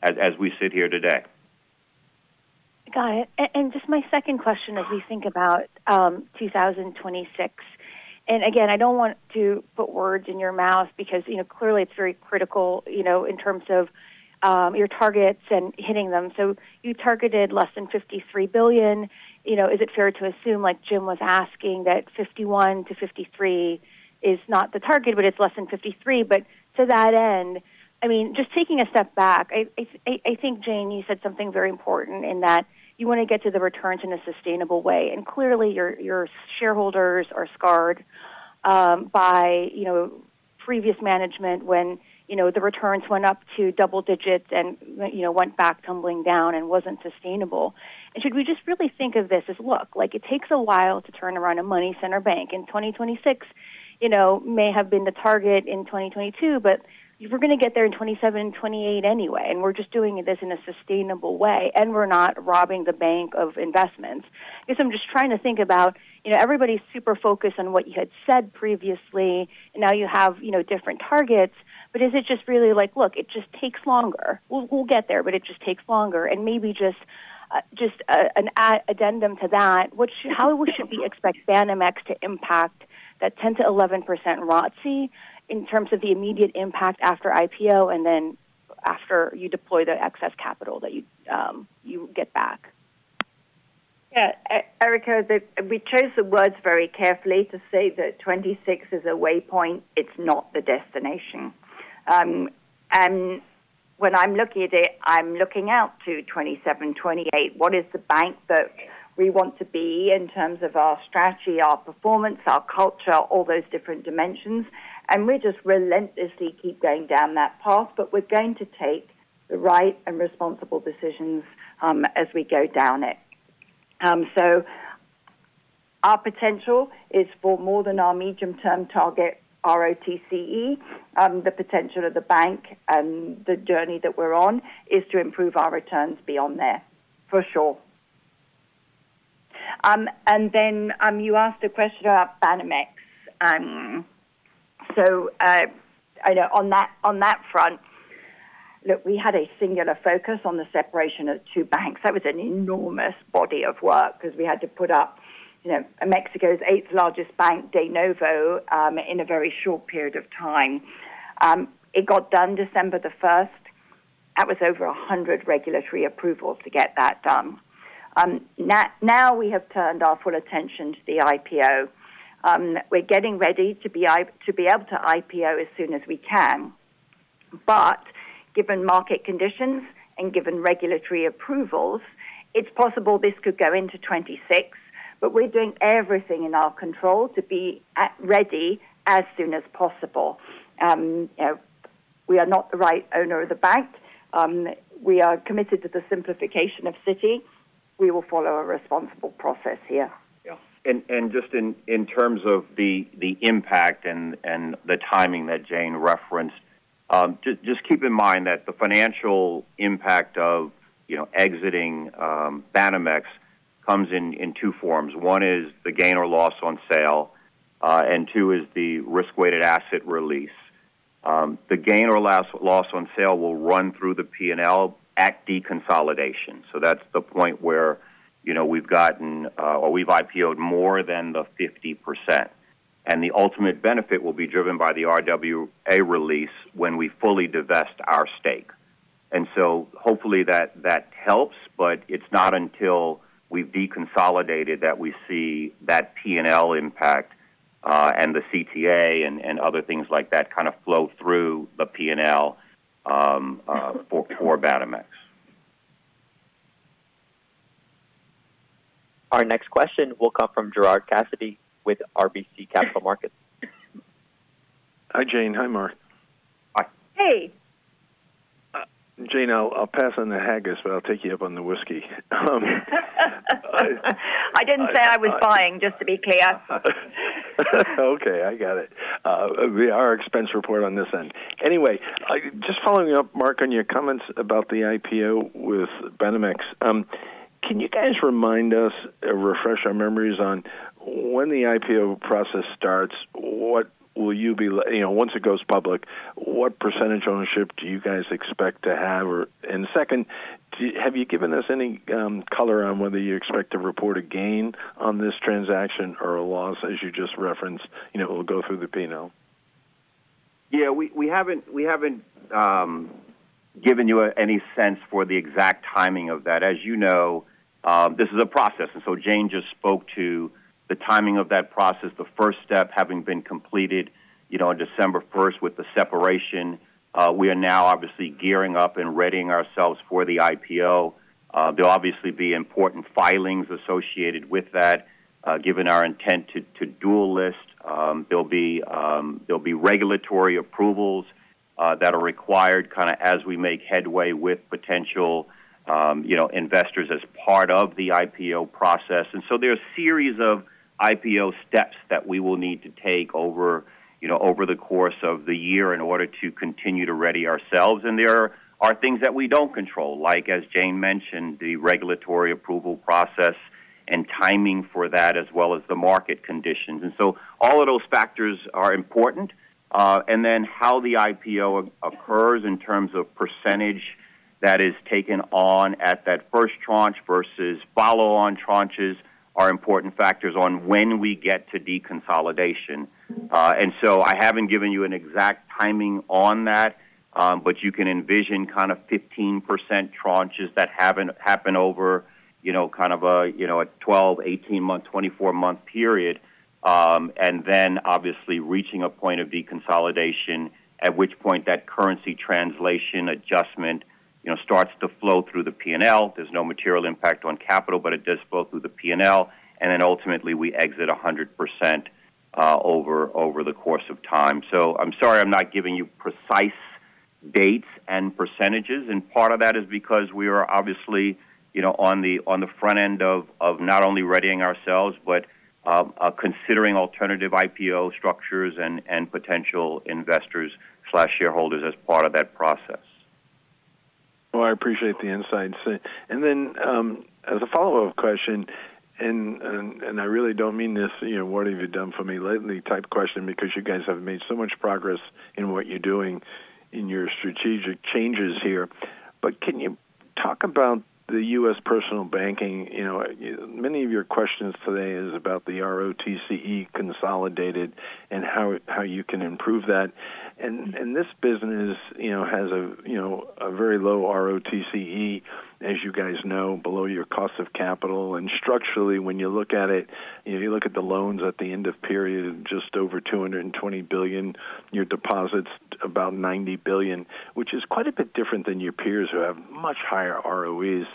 [SPEAKER 4] as we sit here today.
[SPEAKER 10] Got it. And just my second question as we think about 2026. And again, I don't want to put words in your mouth because clearly it's very critical in terms of your targets and hitting them. So you targeted less than $53 billion. Is it fair to assume, like Jim was asking, that $51 billion–$53 billion is not the target, but it's less than $53 billion? But to that end, I mean, just taking a step back, I think, Jane, you said something very important in that you want to get to the returns in a sustainable way. Clearly your shareholders are scarred by previous management when the returns went up to double digits and went back tumbling down and wasn't sustainable. Should we just really think of this as, look, it takes a while to turn around a money center bank. In 2026, it may have been the target in 2022, but we're going to get there in 2027, 2028 anyway. We're just doing this in a sustainable way, and we're not robbing the bank of investments. I guess I'm just trying to think about everybody's super focused on what you had said previously, and now you have different targets. Is it just really like, look, it just takes longer? We'll get there, but it just takes longer. And maybe just an addendum to that, how should we expect Banamex to impact that 10%–11% ROTCE in terms of the immediate impact after IPO and then after you deploy the excess capital that you get back?
[SPEAKER 3] Yeah. Erika, we chose the words very carefully to say that 26 is a waypoint. It's not the destination. And when I'm looking at it, I'm looking out to 27, 28. What is the bank that we want to be in terms of our strategy, our performance, our culture, all those different dimensions? And we just relentlessly keep going down that path, but we're going to take the right and responsible decisions as we go down it. So our potential is for more than our medium-term target, ROTCE. The potential of the bank and the journey that we're on is to improve our returns beyond there, for sure. And then you asked a question about Banamex. So on that front, look, we had a singular focus on the separation of two banks. That was an enormous body of work because we had to put up Mexico's eighth largest bank, de novo, in a very short period of time. It got done December the 1st. That was over 100 regulatory approvals to get that done. Now we have turned our full attention to the IPO. We're getting ready to be able to IPO as soon as we can. But given market conditions and given regulatory approvals, it's possible this could go into 2026, but we're doing everything in our control to be ready as soon as possible. We are not the right owner of the bank. We are committed to the simplification of Citi. We will follow a responsible process here.
[SPEAKER 4] Yeah. And just in terms of the impact and the timing that Jane referenced, just keep in mind that the financial impact of exiting Banamex comes in two forms. One is the gain or loss on sale, and two is the risk-weighted asset release. The gain or loss on sale will run through the P&L at deconsolidation. So that's the point where we've gotten or we've IPO'd more than the 50%. And the ultimate benefit will be driven by the RWA release when we fully divest our stake. And so hopefully that helps, but it's not until we've deconsolidated that we see that P&L impact and the CTA and other things like that kind of flow through the P&L for Banamex.
[SPEAKER 1] Our next question will come from Gerard Cassidy with RBC Capital Markets.
[SPEAKER 11] Hi, Jane. Hi, Mark.
[SPEAKER 4] Hi.
[SPEAKER 3] Hey.
[SPEAKER 11] Jane, I'll pass on the haggis, but I'll take you up on the whiskey. I didn't say I was buying, just to be clear. Okay. I got it. Our expense report on this end. Anyway, just following up, Mark, on your comments about the IPO with Banamex, can you guys remind us or refresh our memories on when the IPO process starts, what will you be once it goes public, what percentage ownership do you guys expect to have? And second, have you given us any color on whether you expect to report a gain on this transaction or a loss, as you just referenced, it'll go through the P&L?
[SPEAKER 4] Yeah. We haven't given you any sense for the exact timing of that. As you know, this is a process. And so Jane just spoke to the timing of that process, the first step having been completed on December 1st with the separation. We are now obviously gearing up and readying ourselves for the IPO. There'll obviously be important filings associated with that, given our intent to dual list. There'll be regulatory approvals that are required kind of as we make headway with potential investors as part of the IPO process. And so there's a series of IPO steps that we will need to take over the course of the year in order to continue to ready ourselves. And there are things that we don't control, like as Jane mentioned, the regulatory approval process and timing for that, as well as the market conditions. And so all of those factors are important. And then how the IPO occurs in terms of percentage that is taken on at that first tranche versus follow-on tranches are important factors on when we get to deconsolidation. And so I haven't given you an exact timing on that, but you can envision kind of 15% tranches that happen over kind of a 12, 18-month, 24-month period. And then obviously reaching a point of deconsolidation, at which point that currency translation adjustment starts to flow through the P&L. There's no material impact on capital, but it does flow through the P&L. And then ultimately we exit 100% over the course of time. So I'm sorry I'm not giving you precise dates and percentages. And part of that is because we are obviously on the front end of not only readying ourselves, but considering alternative IPO structures and potential investors/shareholders as part of that process.
[SPEAKER 11] I appreciate the insights. And then as a follow-up question, and I really don't mean this, "What have you done for me lately?" type question because you guys have made so much progress in what you're doing in your strategic changes here. But can you talk about the U.S. personal banking? Many of your questions today are about the ROTCE consolidated and how you can improve that. And this business has a very low ROTCE, as you guys know, below your cost of capital. And structurally, when you look at it, you look at the loans at the end of period, just over $220 billion, your deposits, about $90 billion, which is quite a bit different than your peers who have much higher ROEs.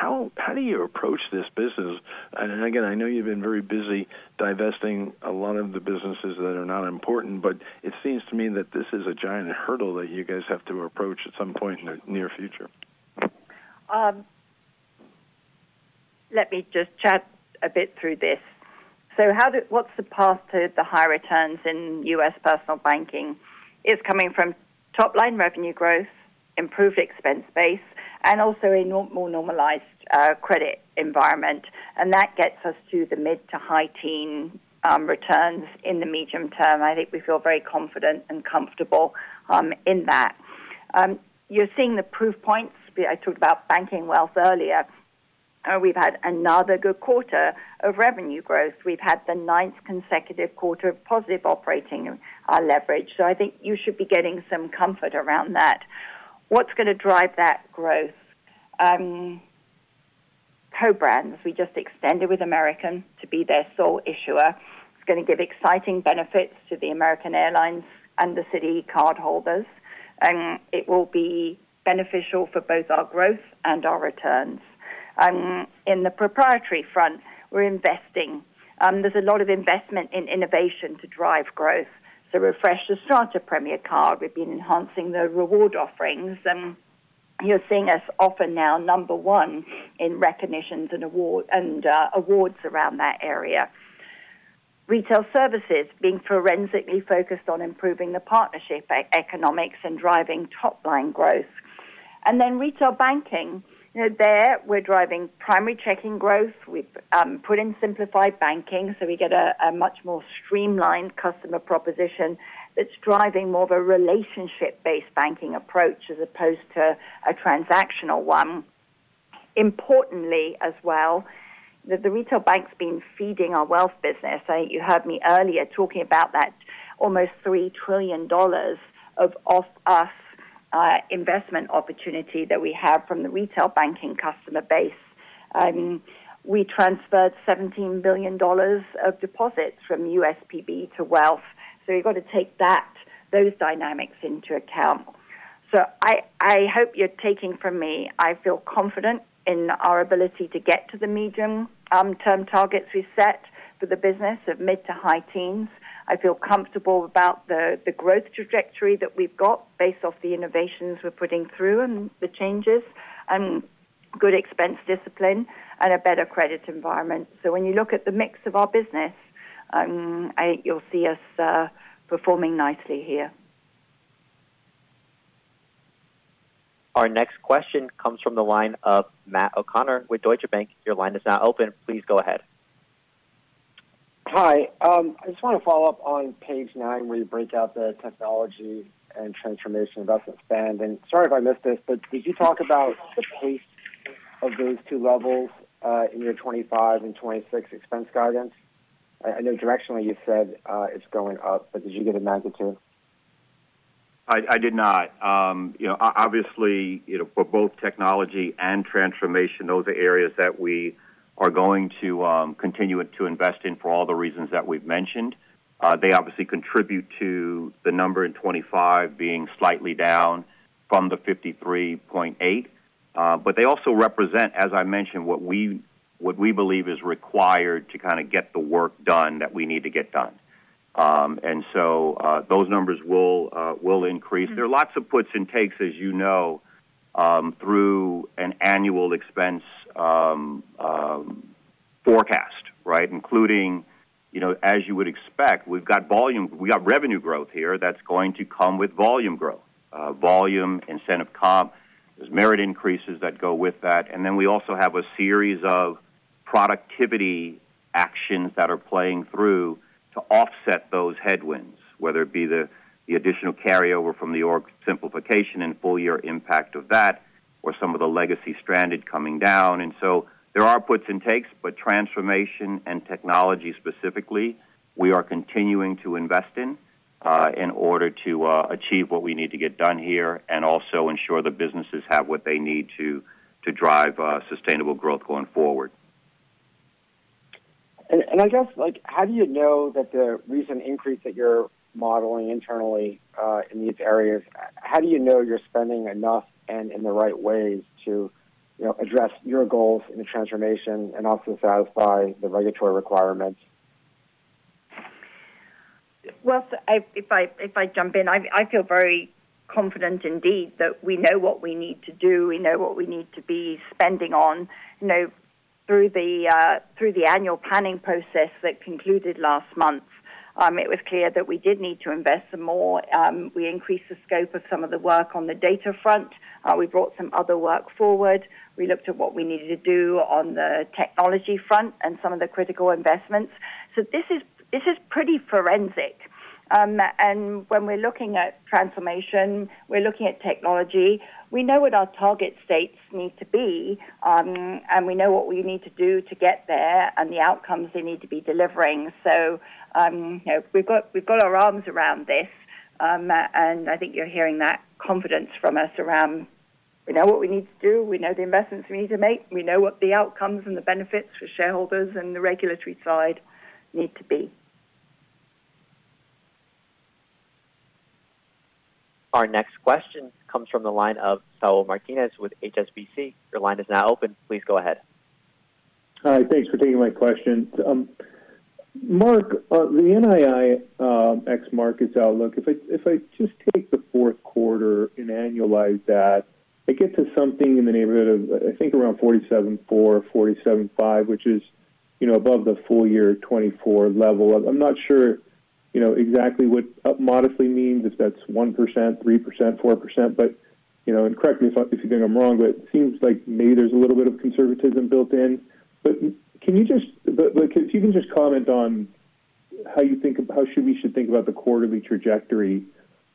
[SPEAKER 11] So how do you approach this business? Again, I know you've been very busy divesting a lot of the businesses that are not important, but it seems to me that this is a giant hurdle that you guys have to approach at some point in the near future.
[SPEAKER 1] Let me just chat a bit through this. So what's the path to the high returns in U.S. Personal Banking? It's coming from top-line revenue growth, improved expense base, and also a more normalized credit environment. And that gets us to the mid- to high-teens returns in the medium term. I think we feel very confident and comfortable in that. You're seeing the proof points. I talked about banking wealth earlier. We've had another good quarter of revenue growth. We've had the ninth consecutive quarter of positive operating leverage. So I think you should be getting some comfort around that. What's going to drive that growth? Co-brands, we just extended with American to be their sole issuer. It's going to give exciting benefits to the American Airlines and the Citi cardholders. And it will be beneficial for both our growth and our returns. In the proprietary front, we're investing. There's a lot of investment in innovation to drive growth. So refresh the Strata Premier card. We've been enhancing the reward offerings. And you're seeing us often now, number one, in recognitions and awards around that area. Retail Services being fiercely focused on improving the partnership economics and driving top-line growth. And then retail banking, there we're driving primary checking growth. We've put in Simplified Banking so we get a much more streamlined customer proposition that's driving more of a relationship-based banking approach as opposed to a transactional one. Importantly as well, the retail bank's been feeding our wealth business. You heard me earlier talking about that almost $3 trillion of U.S. investment opportunity that we have from the retail banking customer base. We transferred $17 billion of deposits from USPB to wealth. So we've got to take those dynamics into account. So I hope you're taking from me. I feel confident in our ability to get to the medium-term targets we set for the business of mid to high teens. I feel comfortable about the growth trajectory that we've got based off the innovations we're putting through and the changes and good expense discipline and a better credit environment. So when you look at the mix of our business, you'll see us performing nicely here. Our next question comes from the line of Matt O'Connor with Deutsche Bank. Your line is now open. Please go ahead.
[SPEAKER 12] Hi. I just want to follow up on page nine where you break out the technology and transformation investment spend. And sorry if I missed this, but did you talk about the pace of those two levels in your 2025 and 2026 expense guidance? I know directionally you said it's going up, but did you get a magnitude?
[SPEAKER 4] I did not. Obviously, for both technology and transformation, those are areas that we are going to continue to invest in for all the reasons that we've mentioned. They obviously contribute to the number in 2025 being slightly down from the 53.8. But they also represent, as I mentioned, what we believe is required to kind of get the work done that we need to get done. And so those numbers will increase. There are lots of puts and takes, as you know, through an annual expense forecast, right? Including, as you would expect, we've got revenue growth here that's going to come with volume growth, volume incentive comp, there's merit increases that go with that. And then we also have a series of productivity actions that are playing through to offset those headwinds, whether it be the additional carryover from the org simplification and full-year impact of that or some of the legacy stranded coming down. And so there are puts and takes, but transformation and technology specifically, we are continuing to invest in order to achieve what we need to get done here and also ensure the businesses have what they need to drive sustainable growth going forward.
[SPEAKER 12] I guess, how do you know that the recent increase that you're modeling internally in these areas, how do you know you're spending enough and in the right ways to address your goals in the transformation and also satisfy the regulatory requirements?
[SPEAKER 3] If I jump in, I feel very confident indeed that we know what we need to do. We know what we need to be spending on. Through the annual planning process that concluded last month, it was clear that we did need to invest some more. We increased the scope of some of the work on the data front. We brought some other work forward. We looked at what we needed to do on the technology front and some of the critical investments. This is pretty forensic. When we're looking at transformation, we're looking at technology. We know what our target states need to be, and we know what we need to do to get there and the outcomes they need to be delivering, so we've got our arms around this, and I think you're hearing that confidence from us around we know what we need to do. We know the investments we need to make. We know what the outcomes and the benefits for shareholders and the regulatory side need to be.
[SPEAKER 1] Our next question comes from the line of Saul Martinez with HSBC. Your line is now open. Please go ahead.
[SPEAKER 13] Hi. Thanks for taking my question. Mark, the NII ex-Markets outlook, if I just take the fourth quarter and annualize that, I get to something in the neighborhood of, I think, around 47.4, 47.5, which is above the full-year 2024 level. I'm not sure exactly what up modestly means, if that's 1%, 3%, 4%, but correct me if you think I'm wrong, but it seems like maybe there's a little bit of conservatism built in. But can you just, if you can just comment on how you think, how should we think about the quarterly trajectory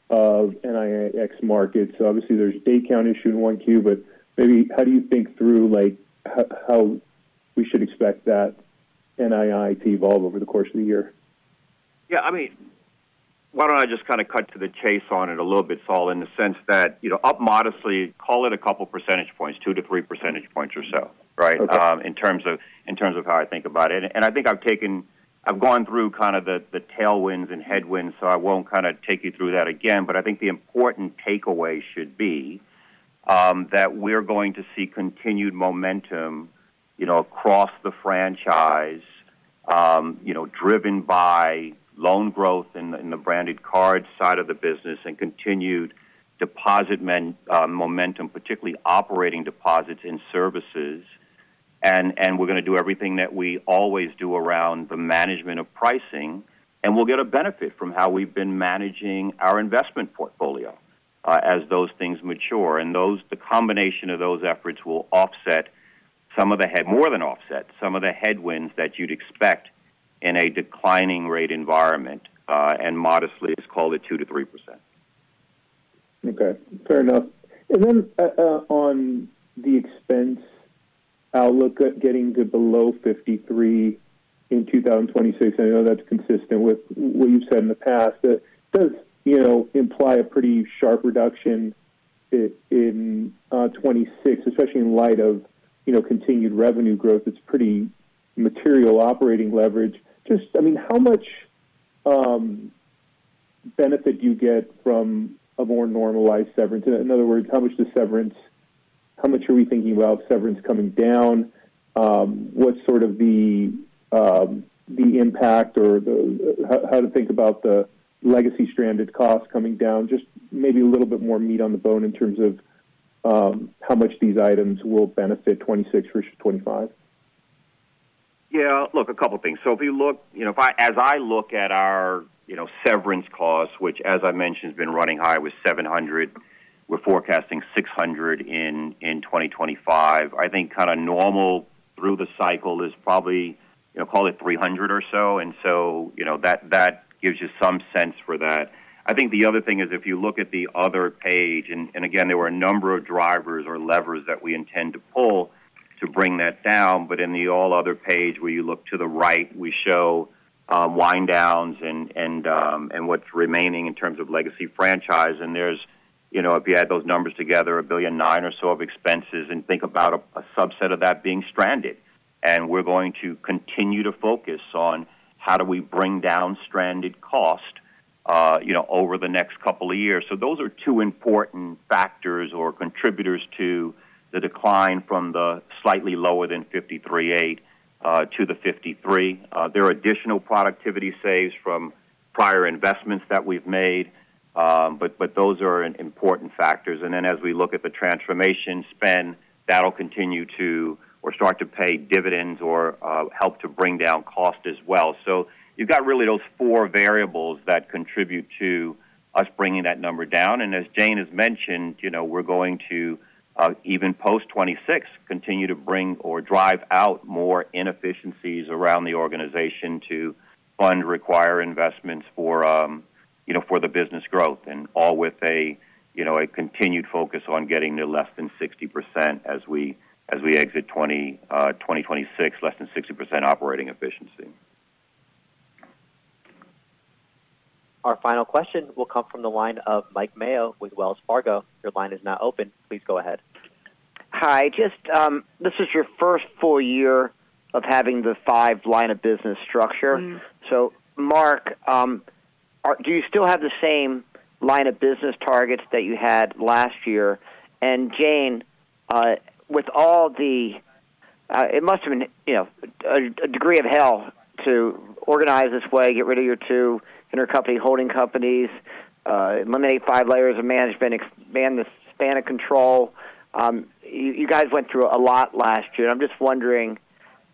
[SPEAKER 13] of NII ex-Markets? So obviously, there's a day count issue in Q1, but maybe how do you think through how we should expect that NII to evolve over the course of the year?
[SPEAKER 4] Yeah. I mean, why don't I just kind of cut to the chase on it a little bit, Saul, in the sense that up modestly, call it a couple of percentage points, two to three percentage points or so, right, in terms of how I think about it. I think I've gone through kind of the tailwinds and headwinds, so I won't kind of take you through that again. I think the important takeaway should be that we're going to see continued momentum across the franchise driven by loan growth in the branded card side of the business and continued deposit momentum, particularly operating deposits and services. We're going to do everything that we always do around the management of pricing. We'll get a benefit from how we've been managing our investment portfolio as those things mature. The combination of those efforts will offset some of the, more than offset, some of the headwinds that you'd expect in a declining rate environment and modestly is called at 2%–3%.
[SPEAKER 13] Okay. Fair enough. And then on the expense outlook at getting to below 53% in 2026, I know that's consistent with what you've said in the past. Does imply a pretty sharp reduction in 2026, especially in light of continued revenue growth? It's pretty material operating leverage. Just, I mean, how much benefit do you get from a more normalized severance? In other words, how much are we thinking about severance coming down? What's sort of the impact or how to think about the legacy stranded costs coming down? Just maybe a little bit more meat on the bone in terms of how much these items will benefit 2026 versus 2025.
[SPEAKER 4] Yeah. Look, a couple of things. So if you look, as I look at our severance costs, which, as I mentioned, has been running high with 700, we're forecasting 600 in 2025. I think kind of normal through the cycle is probably call it 300 or so. That gives you some sense for that. I think the other thing is if you look at the other page, and again, there were a number of drivers or levers that we intend to pull to bring that down. In the all other page where you look to the right, we show wind downs and what's remaining in terms of legacy franchise. If you add those numbers together, $1.9 billion or so of expenses and think about a subset of that being stranded. We're going to continue to focus on how do we bring down stranded costs over the next couple of years. Those are two important factors or contributors to the decline from the slightly lower than 53.8% to the 53%. There are additional productivity saves from prior investments that we've made, but those are important factors. And then as we look at the transformation spend, that'll continue to or start to pay dividends or help to bring down costs as well. So you've got really those four variables that contribute to us bringing that number down. And as Jane has mentioned, we're going to, even post 2026, continue to bring or drive out more inefficiencies around the organization to fund required investments for the business growth, and all with a continued focus on getting to less than 60% as we exit 2026, less than 60% operating efficiency.
[SPEAKER 1] Our final question will come from the line of Mike Mayo with Wells Fargo. Your line is now open. Please go ahead.
[SPEAKER 7] Hi. This is your first full year of having the five line of business structure. So, Mark, do you still have the same line of business targets that you had last year? And Jane, with all the, it must have been a degree of hell to organize this way, get rid of your two intermediate holding companies, eliminate five layers of management, expand the span of control. You guys went through a lot last year. I'm just wondering,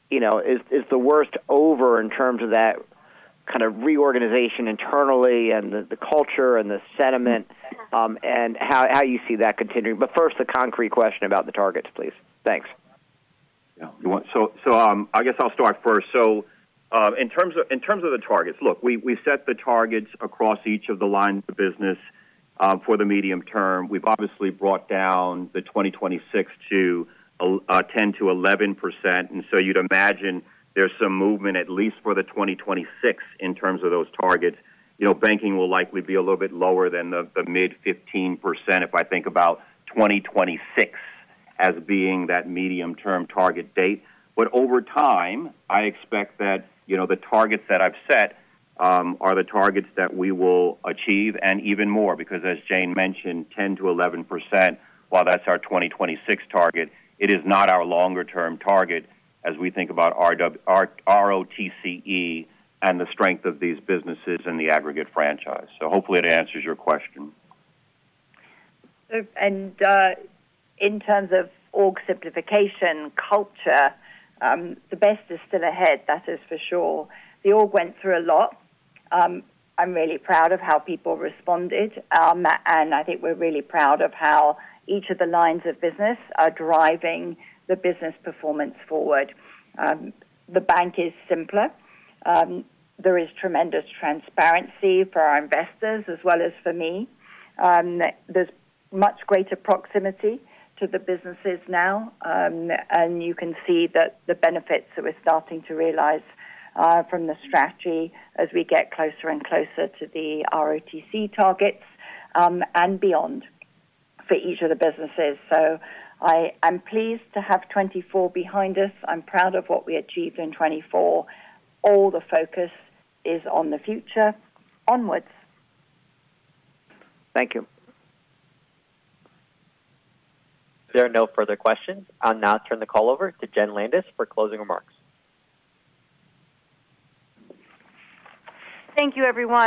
[SPEAKER 7] is the worst over in terms of that kind of reorganization internally and the culture and the sentiment and how you see that continuing? But first, a concrete question about the targets, please. Thanks.
[SPEAKER 4] Yeah. So I guess I'll start first. So in terms of the targets, look, we've set the targets across each of the lines of business for the medium term. We've obviously brought down the 2026 to 10%–11%. And so you'd imagine there's some movement at least for the 2026 in terms of those targets. Banking will likely be a little bit lower than the mid-15% if I think about 2026 as being that medium-term target date. But over time, I expect that the targets that I've set are the targets that we will achieve and even more because, as Jane mentioned, 10%-11%, while that's our 2026 target, it is not our longer-term target as we think about ROTCE and the strength of these businesses and the aggregate franchise. So hopefully it answers your question.
[SPEAKER 3] And in terms of org simplification culture, the best is still ahead. That is for sure. The org went through a lot. I'm really proud of how people responded. And I think we're really proud of how each of the lines of business are driving the business performance forward. The bank is simpler. There is tremendous transparency for our investors as well as for me. There's much greater proximity to the businesses now, and you can see that the benefits that we're starting to realize from the strategy as we get closer and closer to the ROTCE targets and beyond for each of the businesses, so I am pleased to have 2024 behind us. I'm proud of what we achieved in 2024. All the focus is on the future onwards.
[SPEAKER 7] Thank you.
[SPEAKER 4] There are no further questions. I'll now turn the call over to Jen Landis for closing remarks.
[SPEAKER 2] Thank you, everyone.